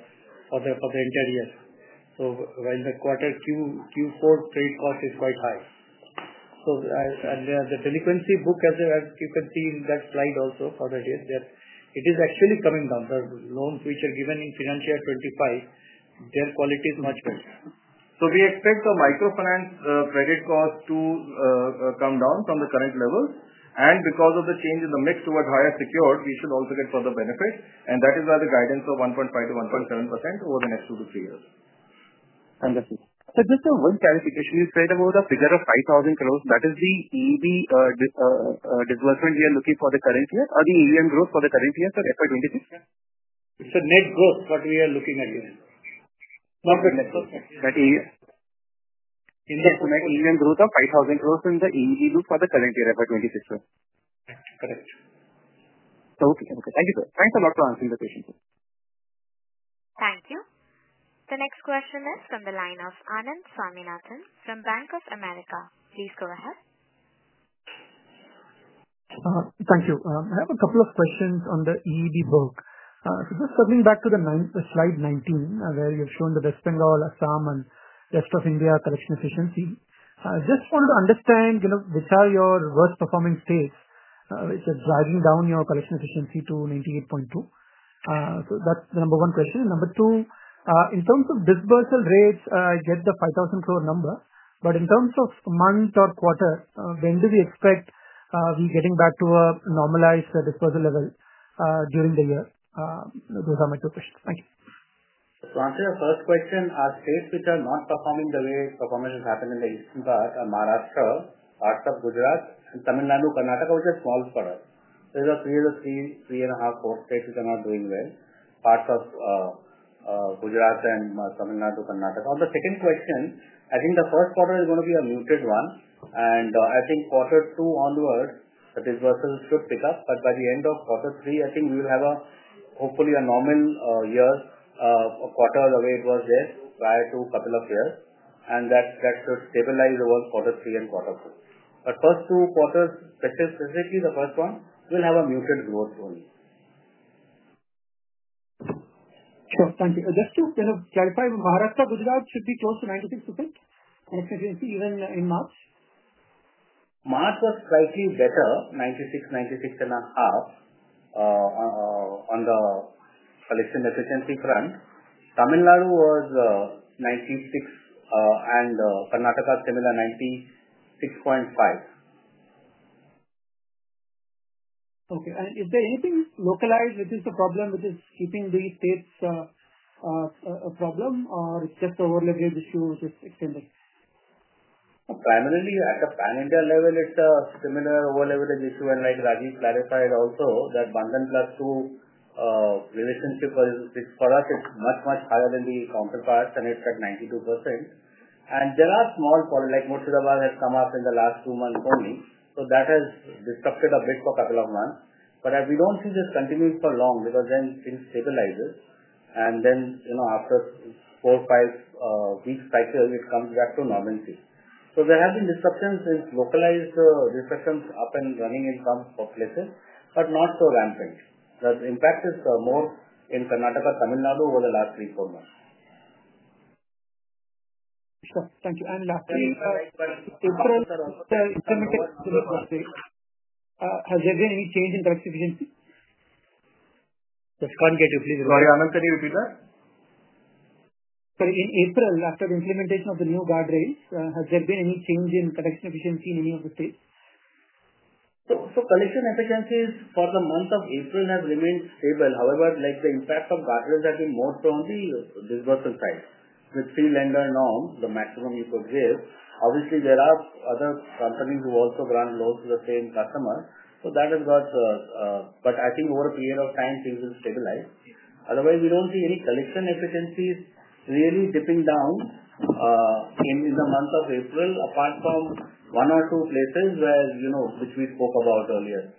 for the entire year. While the quarter Q4 credit cost is quite high, the delinquency book, as you can see in that slide also for that year, it is actually coming down. The loans which are given in financial year 2025, their quality is much better. We expect the microfinance credit cost to come down from the current levels. Because of the change in the mix towards higher secured, we should also get further benefit. That is why the guidance of 1.5-1.7% over the next two to three years. Fantastic. Just one clarification. You said about the figure of 5,000 crore, that is the EEB disbursement we are looking for the current year or the EEB growth for the current year for FY 2026? It is the net growth we are looking at here. Not the net growth. In the summary, EEB growth of 5,000 crore in the EEB book for the current year FY 2026, sir. Correct. Okay. Thank you, sir. Thanks a lot for answering the question, sir. Thank you. The next question is from the line of Anand Swaminathan from Bank of America. Please go ahead. Thank you. I have a couple of questions on the EEB book. Just circling back to slide 19, where you've shown the West Bengal, Assam, and rest of India collection efficiency. I just wanted to understand which are your worst-performing states which are driving down your collection efficiency to 98.2%. That's the number one question. Number two, in terms of disbursal rates, I get the 5,000 crore number. In terms of month or quarter, when do we expect we are getting back to a normalized disbursal level during the year? Those are my two questions. Thank you. Answering the first question, our states which are not performing the way performance has happened in the eastern part are Maharashtra, parts of Gujarat, and Tamil Nadu, Karnataka, which are small quarters. These are three or three, three and a half, four states which are not doing well. Parts of Gujarat and Tamil Nadu, Karnataka. On the second question, I think the first quarter is going to be a muted one. I think quarter two onwards, the disbursals should pick up. By the end of quarter three, I think we will have hopefully a normal year, a quarter the way it was there prior to a couple of years. That should stabilize over quarter three and quarter four. The first two quarters, specifically the first one, will have a muted growth only. Sure. Thank you. Just to clarify, Maharashtra, Gujarat should be close to 96% collection efficiency even in March? March was slightly better, 96, 96.5 on the collection efficiency front. Tamil Nadu was 96 and Karnataka, similar, 96.5. Okay. Is there anything localized which is the problem which is keeping these states a problem, or it's just over-leverage issues extending? Primarily at the Pan India level, it's a similar over-leverage issue. Like Rajeev clarified also, that Bandhan Trust 2 relationship for us, it's much, much higher than the counterparts, and it's at 92%. There are small quarters like Murshidabad that have come up in the last two months only. That has disrupted a bit for a couple of months. We do not see this continuing for long because things stabilize. After four-five weeks cycle, it comes back to normalcy. There have been disruptions, localized disruptions up and running in some places, but not so rampant. The impact is more in Karnataka, Tamil Nadu over the last three-four months. Sure. Thank you. Lastly, April, after implementation of the new state, has there been any change in collection efficiency? Just calling at you, please. Sorry. Anand, can you repeat that? Sorry. In April, after the implementation of the new guardrails, has there been any change in collection efficiency in any of the states? Collection efficiencies for the month of April have remained stable. However, the impact of guardrails has been more strongly on the disbursal side. With three lender norms, the maximum you could give. Obviously, there are other companies who also grant loans to the same customers. That has got, but I think over a period of time, things will stabilize. Otherwise, we do not see any collection efficiencies really dipping down in the month of April, apart from one or two places which we spoke about earlier.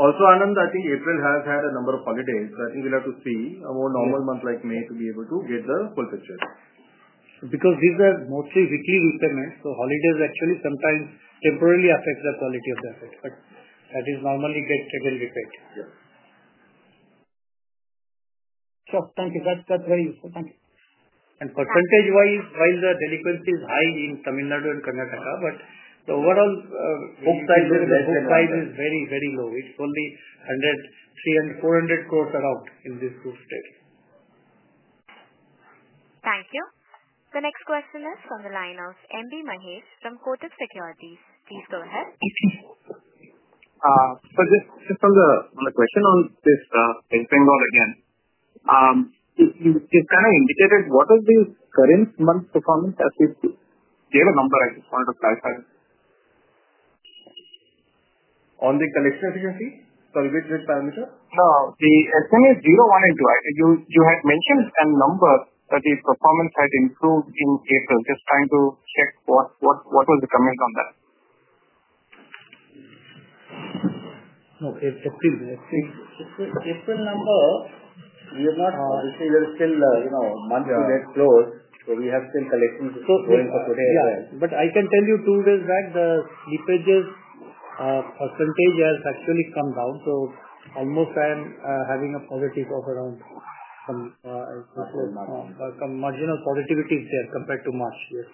Also, Anand, I think April has had a number of holidays. I think we will have to see a more normal month like May to be able to get the full picture. These are mostly weekly repayments. Holidays actually sometimes temporarily affect the quality of the effect. That normally gets again repaid. Yes. Sure. Thank you. That's very useful. Thank you. Percentage-wise, while the delinquency is high in Tamil Nadu and Karnataka, the overall book size is very, very low. It's only 103 crore and 400 crore around in these two states. Thank you. The next question is from the line of M.B. Mahesh from Kotak Securities. Please go ahead. Just on the question on this West Bengal again, you've kind of indicated what are the current month performance as you gave a number. I just wanted to clarify. On the collection efficiency? Which parameter? No. The SMA zero one and two, you had mentioned a number that the performance had improved in April. Just trying to check what was the comment on that. No. April number, we have not seen. There is still a month to get close. We have still collections going for today as well. I can tell you two days back, the slippages percentage has actually come down. I am having a positive of around some marginal positivities there compared to March. Yes.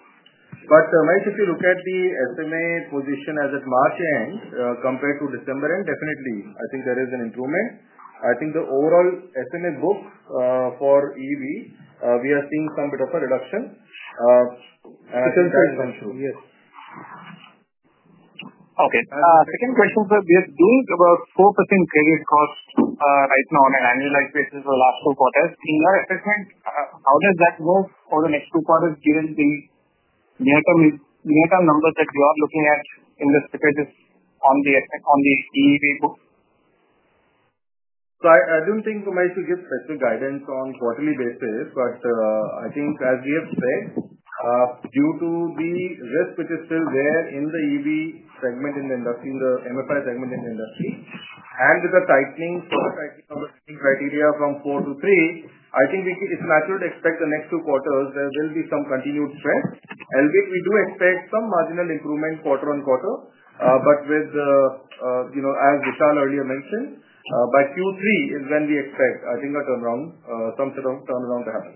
Mahesh, if you look at the SMA position as at March end compared to December end, definitely, I think there is an improvement. I think the overall SMA book for EEB, we are seeing some bit of a reduction. Second question. Yes. Second question, sir, we are doing about 4% credit cost right now on an annualized basis for the last two quarters. In your assessment, how does that go for the next two quarters given the near-term numbers that you are looking at in the slippages on the EEB book? I do not think Mahesh will give specific guidance on a quarterly basis. I think as we have said, due to the risk which is still there in the EEB segment in the industry, in the MFI segment in the industry, and with the tightening of the tightening criteria from four to three, I think it is natural to expect the next two quarters there will be some continued stress. Albeit we do expect some marginal improvement quarter on quarter. As Vikash earlier mentioned, by Q3 is when we expect, I think, a turnaround, some sort of turnaround to happen.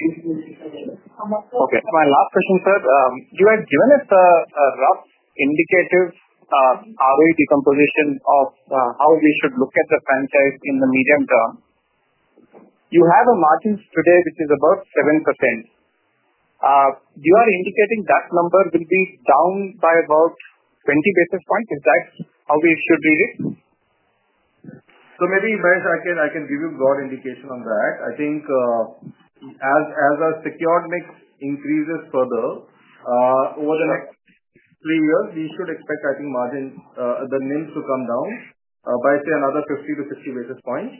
Okay. My last question, sir. You have given us a rough indicative ROE decomposition of how we should look at the franchise in the medium term. You have a margin today which is about 7%. You are indicating that number will be down by about 20 basis points. Is that how we should read it? Maybe, Mahesh, I can give you a broad indication on that. I think as our secured mix increases further, over the next three years, we should expect, I think, margins, the NIMs to come down by, say, another 50-60 basis points.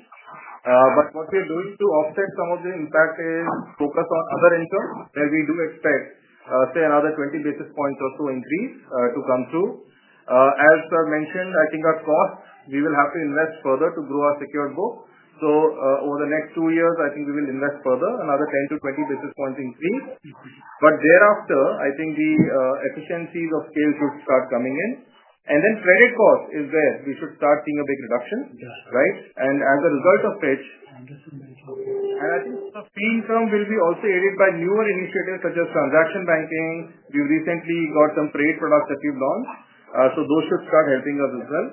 What we are doing to offset some of the impact is focus on other income where we do expect, say, another 20 basis points or so increase to come through. As mentioned, I think our cost, we will have to invest further to grow our secured book. Over the next two years, I think we will invest further, another 10-20 basis points increase. Thereafter, I think the efficiencies of scale should start coming in. Credit cost is where we should start seeing a big reduction, right? As a result of which, I think the fee income will be also aided by newer initiatives such as transaction banking. We've recently got some trade products that we've launched. Those should start helping us as well.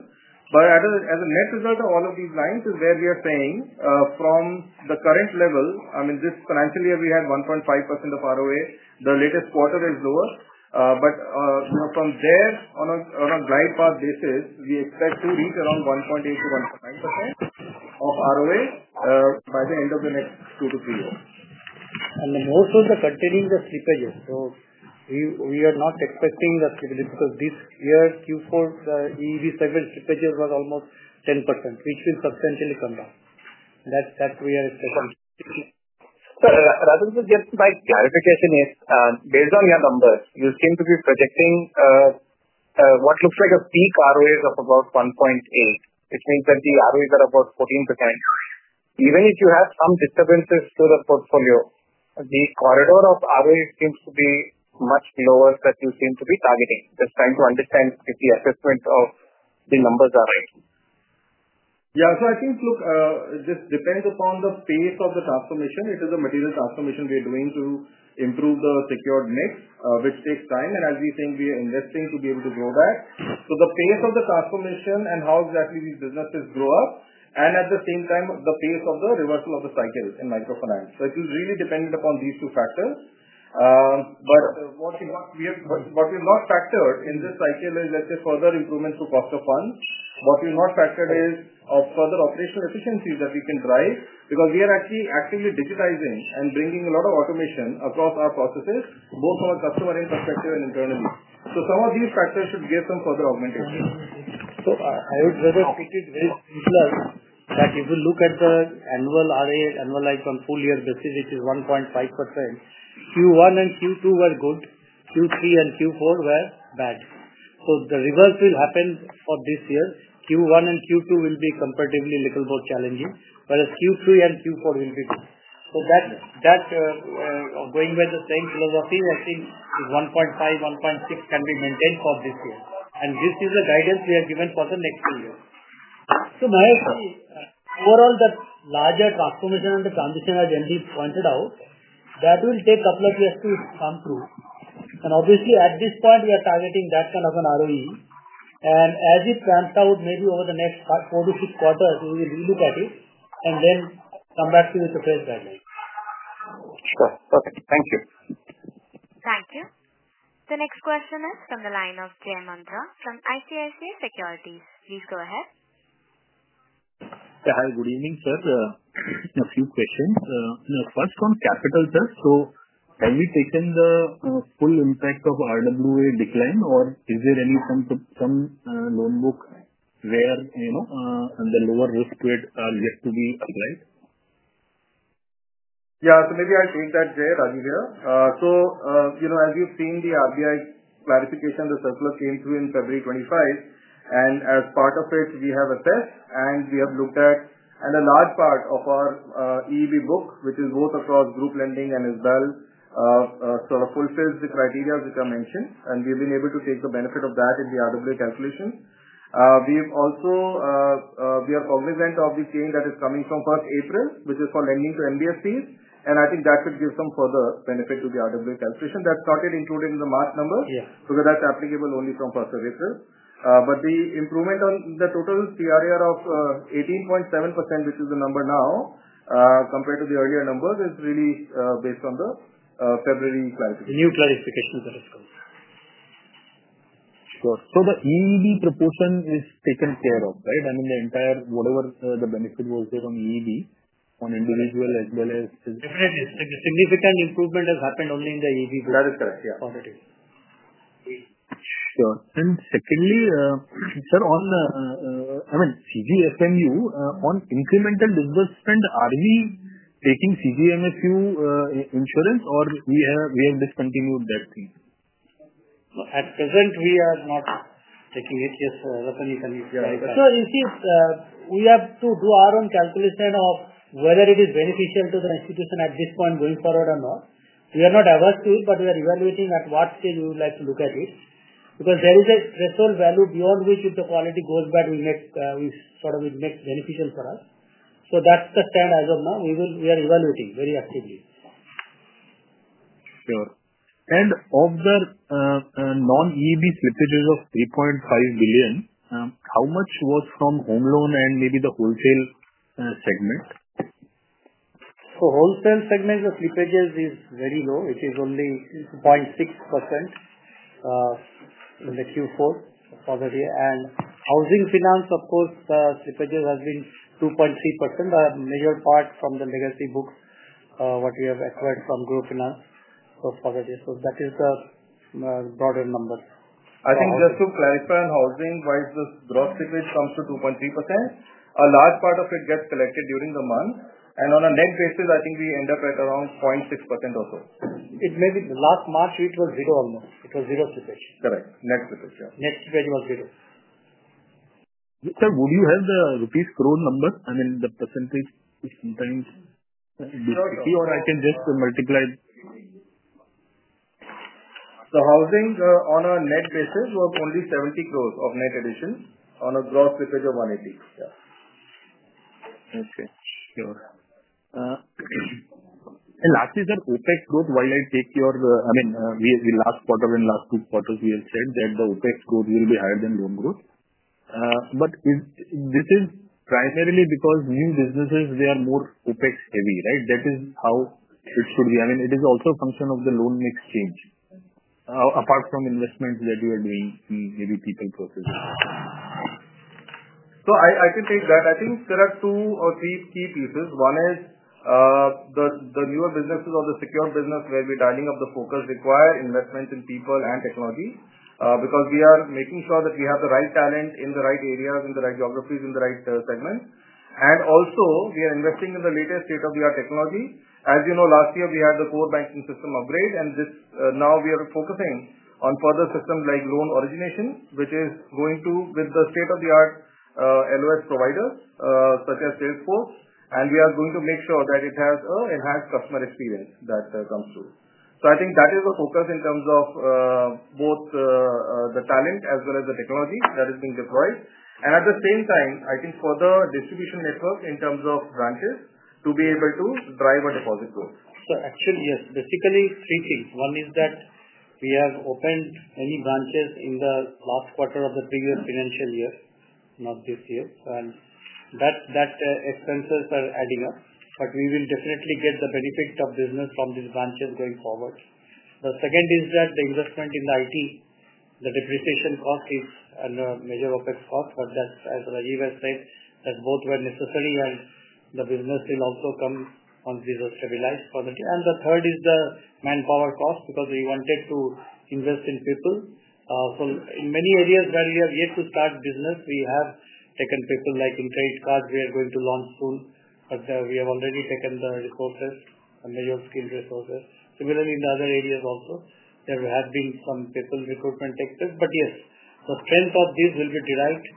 As a net result of all of these lines is where we are saying from the current level, I mean, this financial year we had 1.5% of ROE. The latest quarter is lower. From there, on a glide path basis, we expect to reach around 1.8-1.9% of ROE by the end of the next two to three years. Most of the continuing the slippages. We are not expecting the slippages because this year, Q4, the EEB segment slippages was almost 10%, which will substantially come down. That's we are expecting. Rather than getting my clarification is, based on your numbers, you seem to be projecting what looks like a peak ROAs of about 1.8, which means that the ROEs are about 14%. Even if you have some disturbances to the portfolio, the corridor of ROA seems to be much lower that you seem to be targeting. Just trying to understand if the assessment of the numbers are right. Yeah. I think, look, it just depends upon the pace of the transformation. It is a material transformation we are doing to improve the secured mix, which takes time. As we are saying, we are investing to be able to grow that. The pace of the transformation and how exactly these businesses grow up, and at the same time, the pace of the reversal of the cycle in microfinance. It will really depend upon these two factors. What we have not factored in this cycle is, let's say, further improvements to cost of funds. What we have not factored is further operational efficiencies that we can drive because we are actually actively digitizing and bringing a lot of automation across our processes, both from a customer end perspective and internally. Some of these factors should give some further augmentation. I would rather put it very simply that if you look at the annual ROE, annualized on full year basis, which is 1.5%, Q1 and Q2 were good. Q3 and Q4 were bad. The reverse will happen for this year. Q1 and Q2 will be comparatively little more challenging, whereas Q3 and Q4 will be good. Going by the same philosophy, I think 1.5-1.6% can be maintained for this year. This is the guidance we have given for the next two years. Mahesh, overall, that larger transformation and the transition as MB pointed out, that will take a couple of years to come through. Obviously, at this point, we are targeting that kind of an ROE. As it pans out, maybe over the next four to six quarters, we will relook at it and then come back to you with the first guidelines. Sure. Perfect. Thank you. Thank you. The next question is from the line of Jai Mundhra from ICICI Securities. Please go ahead. Yeah. Hi. Good evening, sir. A few questions. First, on capital relief. Have we taken the full impact of RWA decline, or is there any loan book where the lower risk rate is yet to be applied? Yeah. Maybe I'll take that, Jay, Rajeev here. As you've seen, the RBI clarification, the circular came through in February 25. As part of it, we have assessed and we have looked at, and a large part of our EEB book, which is both across group lending and as well, sort of fulfills the criteria which are mentioned. We have been able to take the benefit of that in the RWA calculation. We have also been cognizant of the change that is coming from first April, which is for lending to NBFCs. I think that should give some further benefit to the RWA calculation. That's not yet included in the March number because that's applicable only from first services. The improvement on the total CAR of 18.7%, which is the number now compared to the earlier numbers, is really based on the February clarification. New clarifications are discussed. Sure. The EEB proportion is taken care of, right? I mean, the entire whatever the benefit was there on EEB, on individual as well as. Definitely. Significant improvement has happened only in the EEB book. That is correct. Yeah. Positive. Sure. Secondly, sir, on the, I mean, CGFMU, on incremental disbursement, are we taking CGFMU insurance, or we have discontinued that thing? At present, we are not taking it. Yes, definitely. Can you clarify? You see, we have to do our own calculation of whether it is beneficial to the institution at this point going forward or not. We are not averse to it, but we are evaluating at what stage we would like to look at it because there is a threshold value beyond which if the quality goes bad, it makes beneficial for us. That is the stand as of now. We are evaluating very actively. Sure. And of the non-EEB slippages of 3.5 billion, how much was from home loan and maybe the wholesale segment? Wholesale segment, the slippages is very low. It is only 0.6% in the Q4 for that year. Housing finance, of course, the slippages have been 2.3%, a major part from the legacy books what we have acquired from GRUH Finance for that year. That is the broader numbers. I think just to clarify on housing wise, the gross slippage comes to 2.3%. A large part of it gets collected during the month. On a net basis, I think we end up at around 0.6% or so. It may be last March, it was zero almost. It was zero slippage. Correct. Net slippage. Yeah. Net slippage was zero. Sir, would you have the rupees crore number? I mean, the percentage sometimes. Sure. If you want, I can just multiply. The housing on a net basis was only 70 crore of net addition on a gross slippage of 180 crore. Yeah. Okay. Sure. Lastly, sir, OpEx growth, while I take your, I mean, last quarter and last two quarters, we have said that the OpEx growth will be higher than loan growth. This is primarily because new businesses, they are more OpEx heavy, right? That is how it should be. I mean, it is also a function of the loan mix change, apart from investments that you are doing in maybe people processing. I can take that. I think there are two or three key pieces. One is the newer businesses or the secured business where we're dialing up the focus required, investments in people and technology because we are making sure that we have the right talent in the right areas, in the right geographies, in the right segment. Also, we are investing in the latest state-of-the-art technology. As you know, last year, we had the core banking system upgrade. Now we are focusing on further systems like loan origination, which is going to with the state-of-the-art LOS providers such as Salesforce. We are going to make sure that it has an enhanced customer experience that comes through. I think that is the focus in terms of both the talent as well as the technology that is being deployed. At the same time, I think further distribution network in terms of branches to be able to drive a deposit growth. Actually, yes. Basically, three things. One is that we have opened any branches in the last quarter of the previous financial year, not this year. That expenses are adding up. We will definitely get the benefit of business from these branches going forward. The second is that the investment in the IT, the depreciation cost is a major OpEx cost. As Rajeev has said, both were necessary and the business will also come once these are stabilized. The third is the manpower cost because we wanted to invest in people. In many areas where we have yet to start business, we have taken people, like in credit cards. We are going to launch soon. We have already taken the resources, major skilled resources. Similarly, in the other areas also, there have been some people recruitment excess. Yes, the strength of these will be derived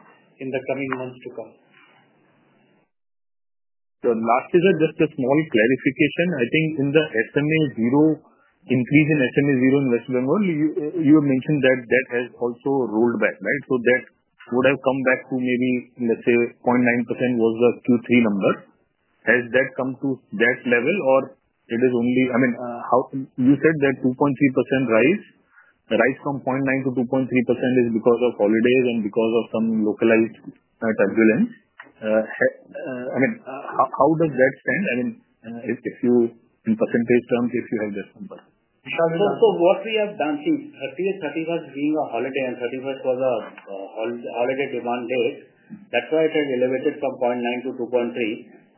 in the coming months to come. Lastly, sir, just a small clarification. I think in the SMA zero increase in SMA zero investment, you have mentioned that that has also rolled back, right? That would have come back to maybe, let's say, 0.9% was the Q3 number. Has that come to that level, or it is only, I mean, you said that 2.3% rise, rise from 0.9% to 2.3% is because of holidays and because of some localized turbulence. I mean, how does that stand? I mean, in percentage terms, if you have this number. What we have done since 30th, 31st being a holiday and 31st was a holiday demand date, that's why it has elevated from 0.9% to 2.3%.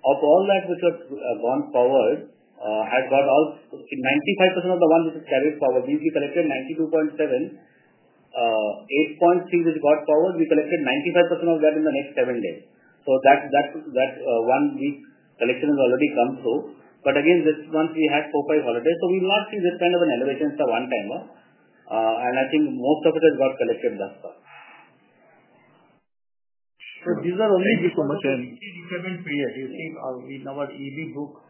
Of all that which has gone forward, has got all 95% of the ones which is carried forward. We collected 92.7. 8.3 which got forward, we collected 95% of that in the next seven days. That one week collection has already come through. This month, we had four, five holidays. We will not see this kind of an elevation in the one time. I think most of it has got collected thus far. These are only so much in weekly repayment period. You see, in our EEB book,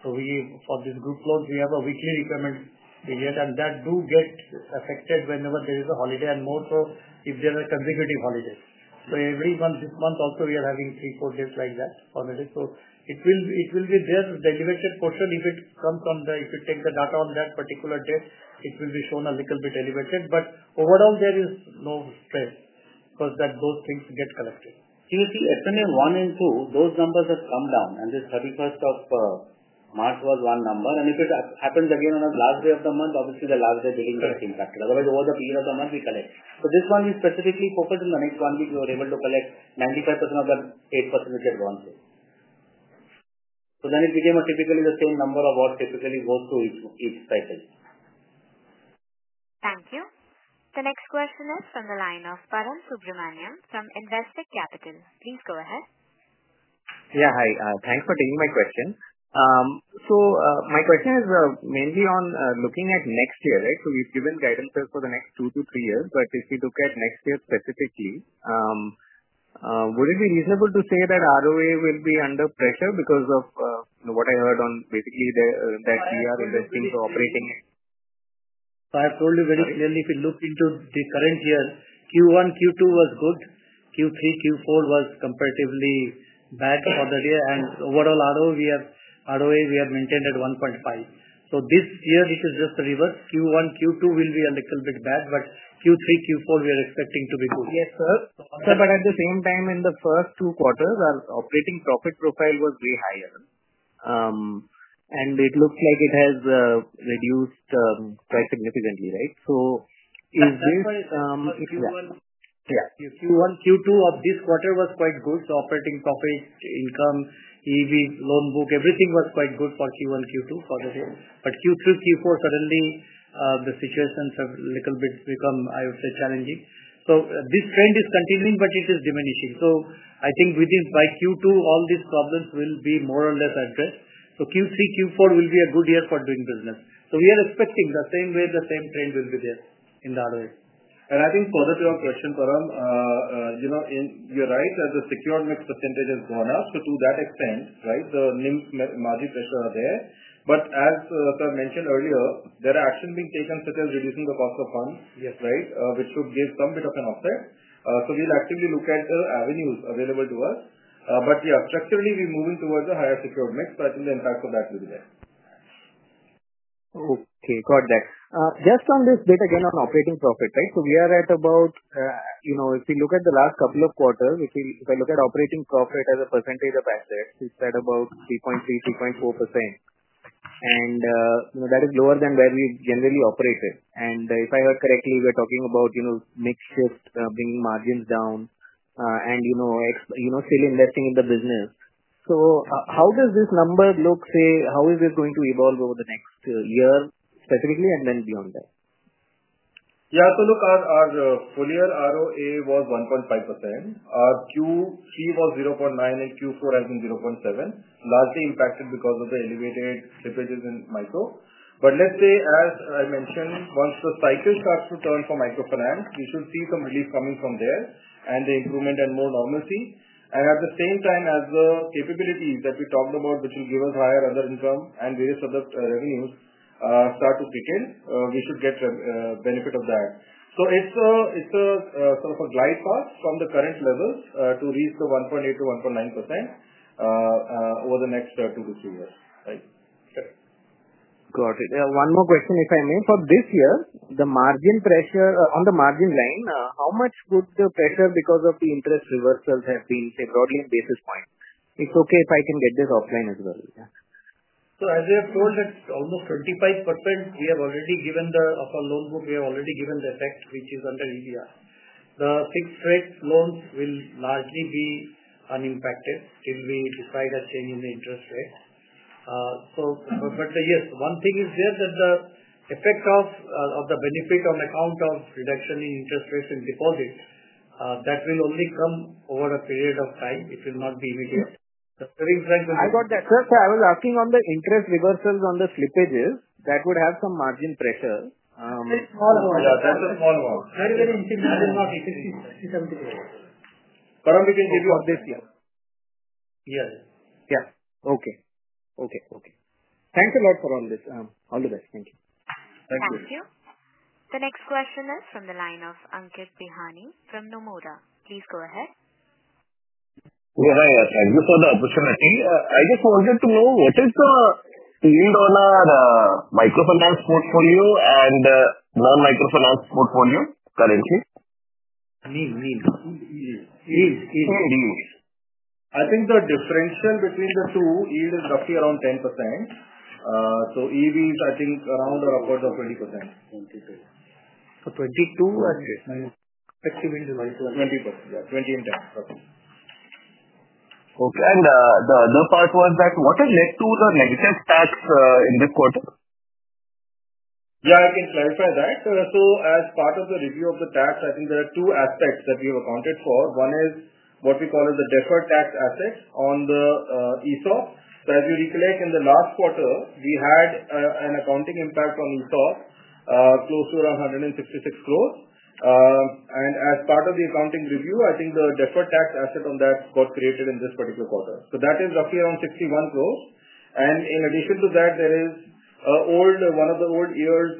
for this group loans, we have a weekly repayment period. That does get affected whenever there is a holiday and more so if there are consecutive holidays. Every month, this month also, we are having three, four days like that on a day. It will be there, the elevated portion. If it comes on the if you take the data on that particular date, it will be shown a little bit elevated. Overall, there is no stress because those things get collected. You see, SMA one and two, those numbers have come down. This 31st of March was one number. If it happens again on the last day of the month, obviously, the last day billing gets impacted. Otherwise, over the period of the month, we collect. This one, we specifically focused on the next one week. We were able to collect 95% of the 8% which had gone through. It became typically the same number of what typically goes through each cycle. Thank you. The next question is from the line of Param Subramanian from Investec Capital. Please go ahead. Yeah. Hi. Thanks for taking my question. My question is mainly on looking at next year, right? We have given guidance for the next two to three years. If we look at next year specifically, would it be reasonable to say that ROA will be under pressure because of what I heard on basically that we are investing to operating? I have told you very clearly, if you look into the current year, Q1, Q2 was good. Q3, Q4 was comparatively bad for that year. Overall ROA, we have maintained at 1.5%. This year, which is just the reverse, Q1, Q2 will be a little bit bad. Q3, Q4, we are expecting to be good. Yes, sir. At the same time, in the first two quarters, our operating profit profile was way higher. It looks like it has reduced quite significantly, right? Is this if you want, yeah. Q1, Q2 of this quarter was quite good. Operating profit, income, EEB, loan book, everything was quite good for Q1, Q2 for that year. Q3, Q4, suddenly, the situations have a little bit become, I would say, challenging. This trend is continuing, but it is diminishing. I think by Q2, all these problems will be more or less addressed. Q3, Q4 will be a good year for doing business. We are expecting the same way, the same trend will be there in the ROA. I think further to your question, Param, you're right that the secured mix percentage has gone up. To that extent, right, the NIM margin pressure are there. As sir mentioned earlier, there are actions being taken such as reducing the cost of funds, right, which should give some bit of an offset. We'll actively look at avenues available to us. Yeah, structurally, we're moving towards a higher secured mix. I think the impact of that will be there. Okay. Got that. Just on this bit again on operating profit, right? We are at about, if you look at the last couple of quarters, if I look at operating profit as a percentage of assets, it's at about 3.3-3.4%. That is lower than where we generally operated. If I heard correctly, we're talking about mix shift, bringing margins down, and still investing in the business. How does this number look? Say, how is it going to evolve over the next year specifically and then beyond that? Yeah. Look, our full year ROA was 1.5%. Our Q3 was 0.9, and Q4 has been 0.7, largely impacted because of the elevated slippages in micro. Let's say, as I mentioned, once the cycle starts to turn for microfinance, we should see some relief coming from there and the improvement and more normalcy. At the same time, as the capabilities that we talked about, which will give us higher other income and various other revenues, start to kick in, we should get benefit of that. It is sort of a glide path from the current levels to reach the 1.8-1.9% over the next two to three years, right? Got it. One more question, if I may. For this year, the margin pressure on the margin line, how much would the pressure because of the interest reversals have been, say, broadly in basis points? It is okay if I can get this offline as well. As you have told, that almost 25%, we have already given the effect of our loan book, we have already given the effect, which is under EBLR. The fixed rate loans will largely be unimpacted till we decide a change in the interest rate. Yes, one thing is there that the effect of the benefit on account of reduction in interest rates and deposits, that will only come over a period of time. It will not be immediate. The savings bank will be. I got that. Sir, I was asking on the interest reversals on the slippages that would have some margin pressure. That's a small amount. Very, very insignificant. That is not insignificant. 60-70%. Param, we can give you for this year. Yes. Yeah. Okay. Okay. Okay. Thanks a lot for all this. All the best. Thank you. Thank you. Thank you. The next question is from the line of Ankit Bihani from Nomura. Please go ahead. Hey, thank you for the opportunity. I just wanted to know, what is the yield on our microfinance portfolio and non-microfinance portfolio currently? I think the differential between the two, yield is roughly around 10%. So EEB is, I think, around or upwards of 20%. 22. So 22% and 20%. 20%. Yeah. 20% and 10%. Okay. Okay. The other part was that what has led to the negative tax in this quarter? Yeah. I can clarify that. As part of the review of the tax, I think there are two aspects that we have accounted for. One is what we call as the deferred tax assets on the ESOPs. As you recollect, in the last quarter, we had an accounting impact on ESOPs close to around 166 crore. As part of the accounting review, I think the deferred tax asset on that got created in this particular quarter. That is roughly around 61 crore. In addition to that, there is one of the old years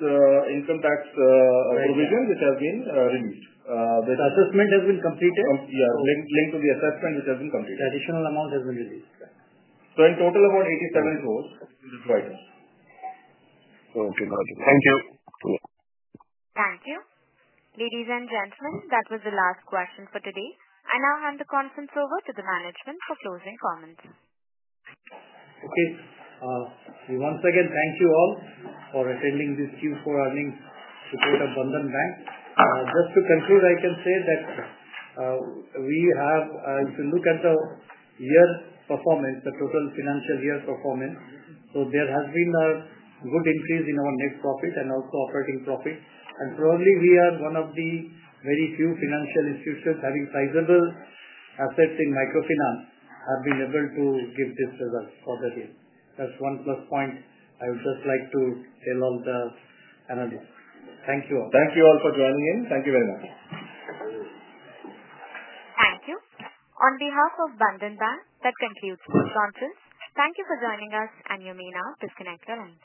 income tax provision which has been released. The assessment has been completed? Yeah. Linked to the assessment which has been completed. The additional amount has been released. In total about 87 crore in this quarter. Okay. Got it. Thank you. Thank you. Ladies and gentlemen, that was the last question for today. I now hand the conference over to the management for closing comments. Once again, thank you all for attending this Q4 earnings report of Bandhan Bank. Just to conclude, I can say that we have, if you look at the year performance, the total financial year performance, there has been a good increase in our net profit and also operating profit. Probably we are one of the very few financial institutions having sizable assets in microfinance who have been able to give this result for that year. That is one plus point I would just like to tell all the analysts. Thank you all. Thank you all for joining in. Thank you very much. Thank you. On behalf of Bandhan Bank, that concludes this conference. Thank you for joining us, and you may now disconnect your line.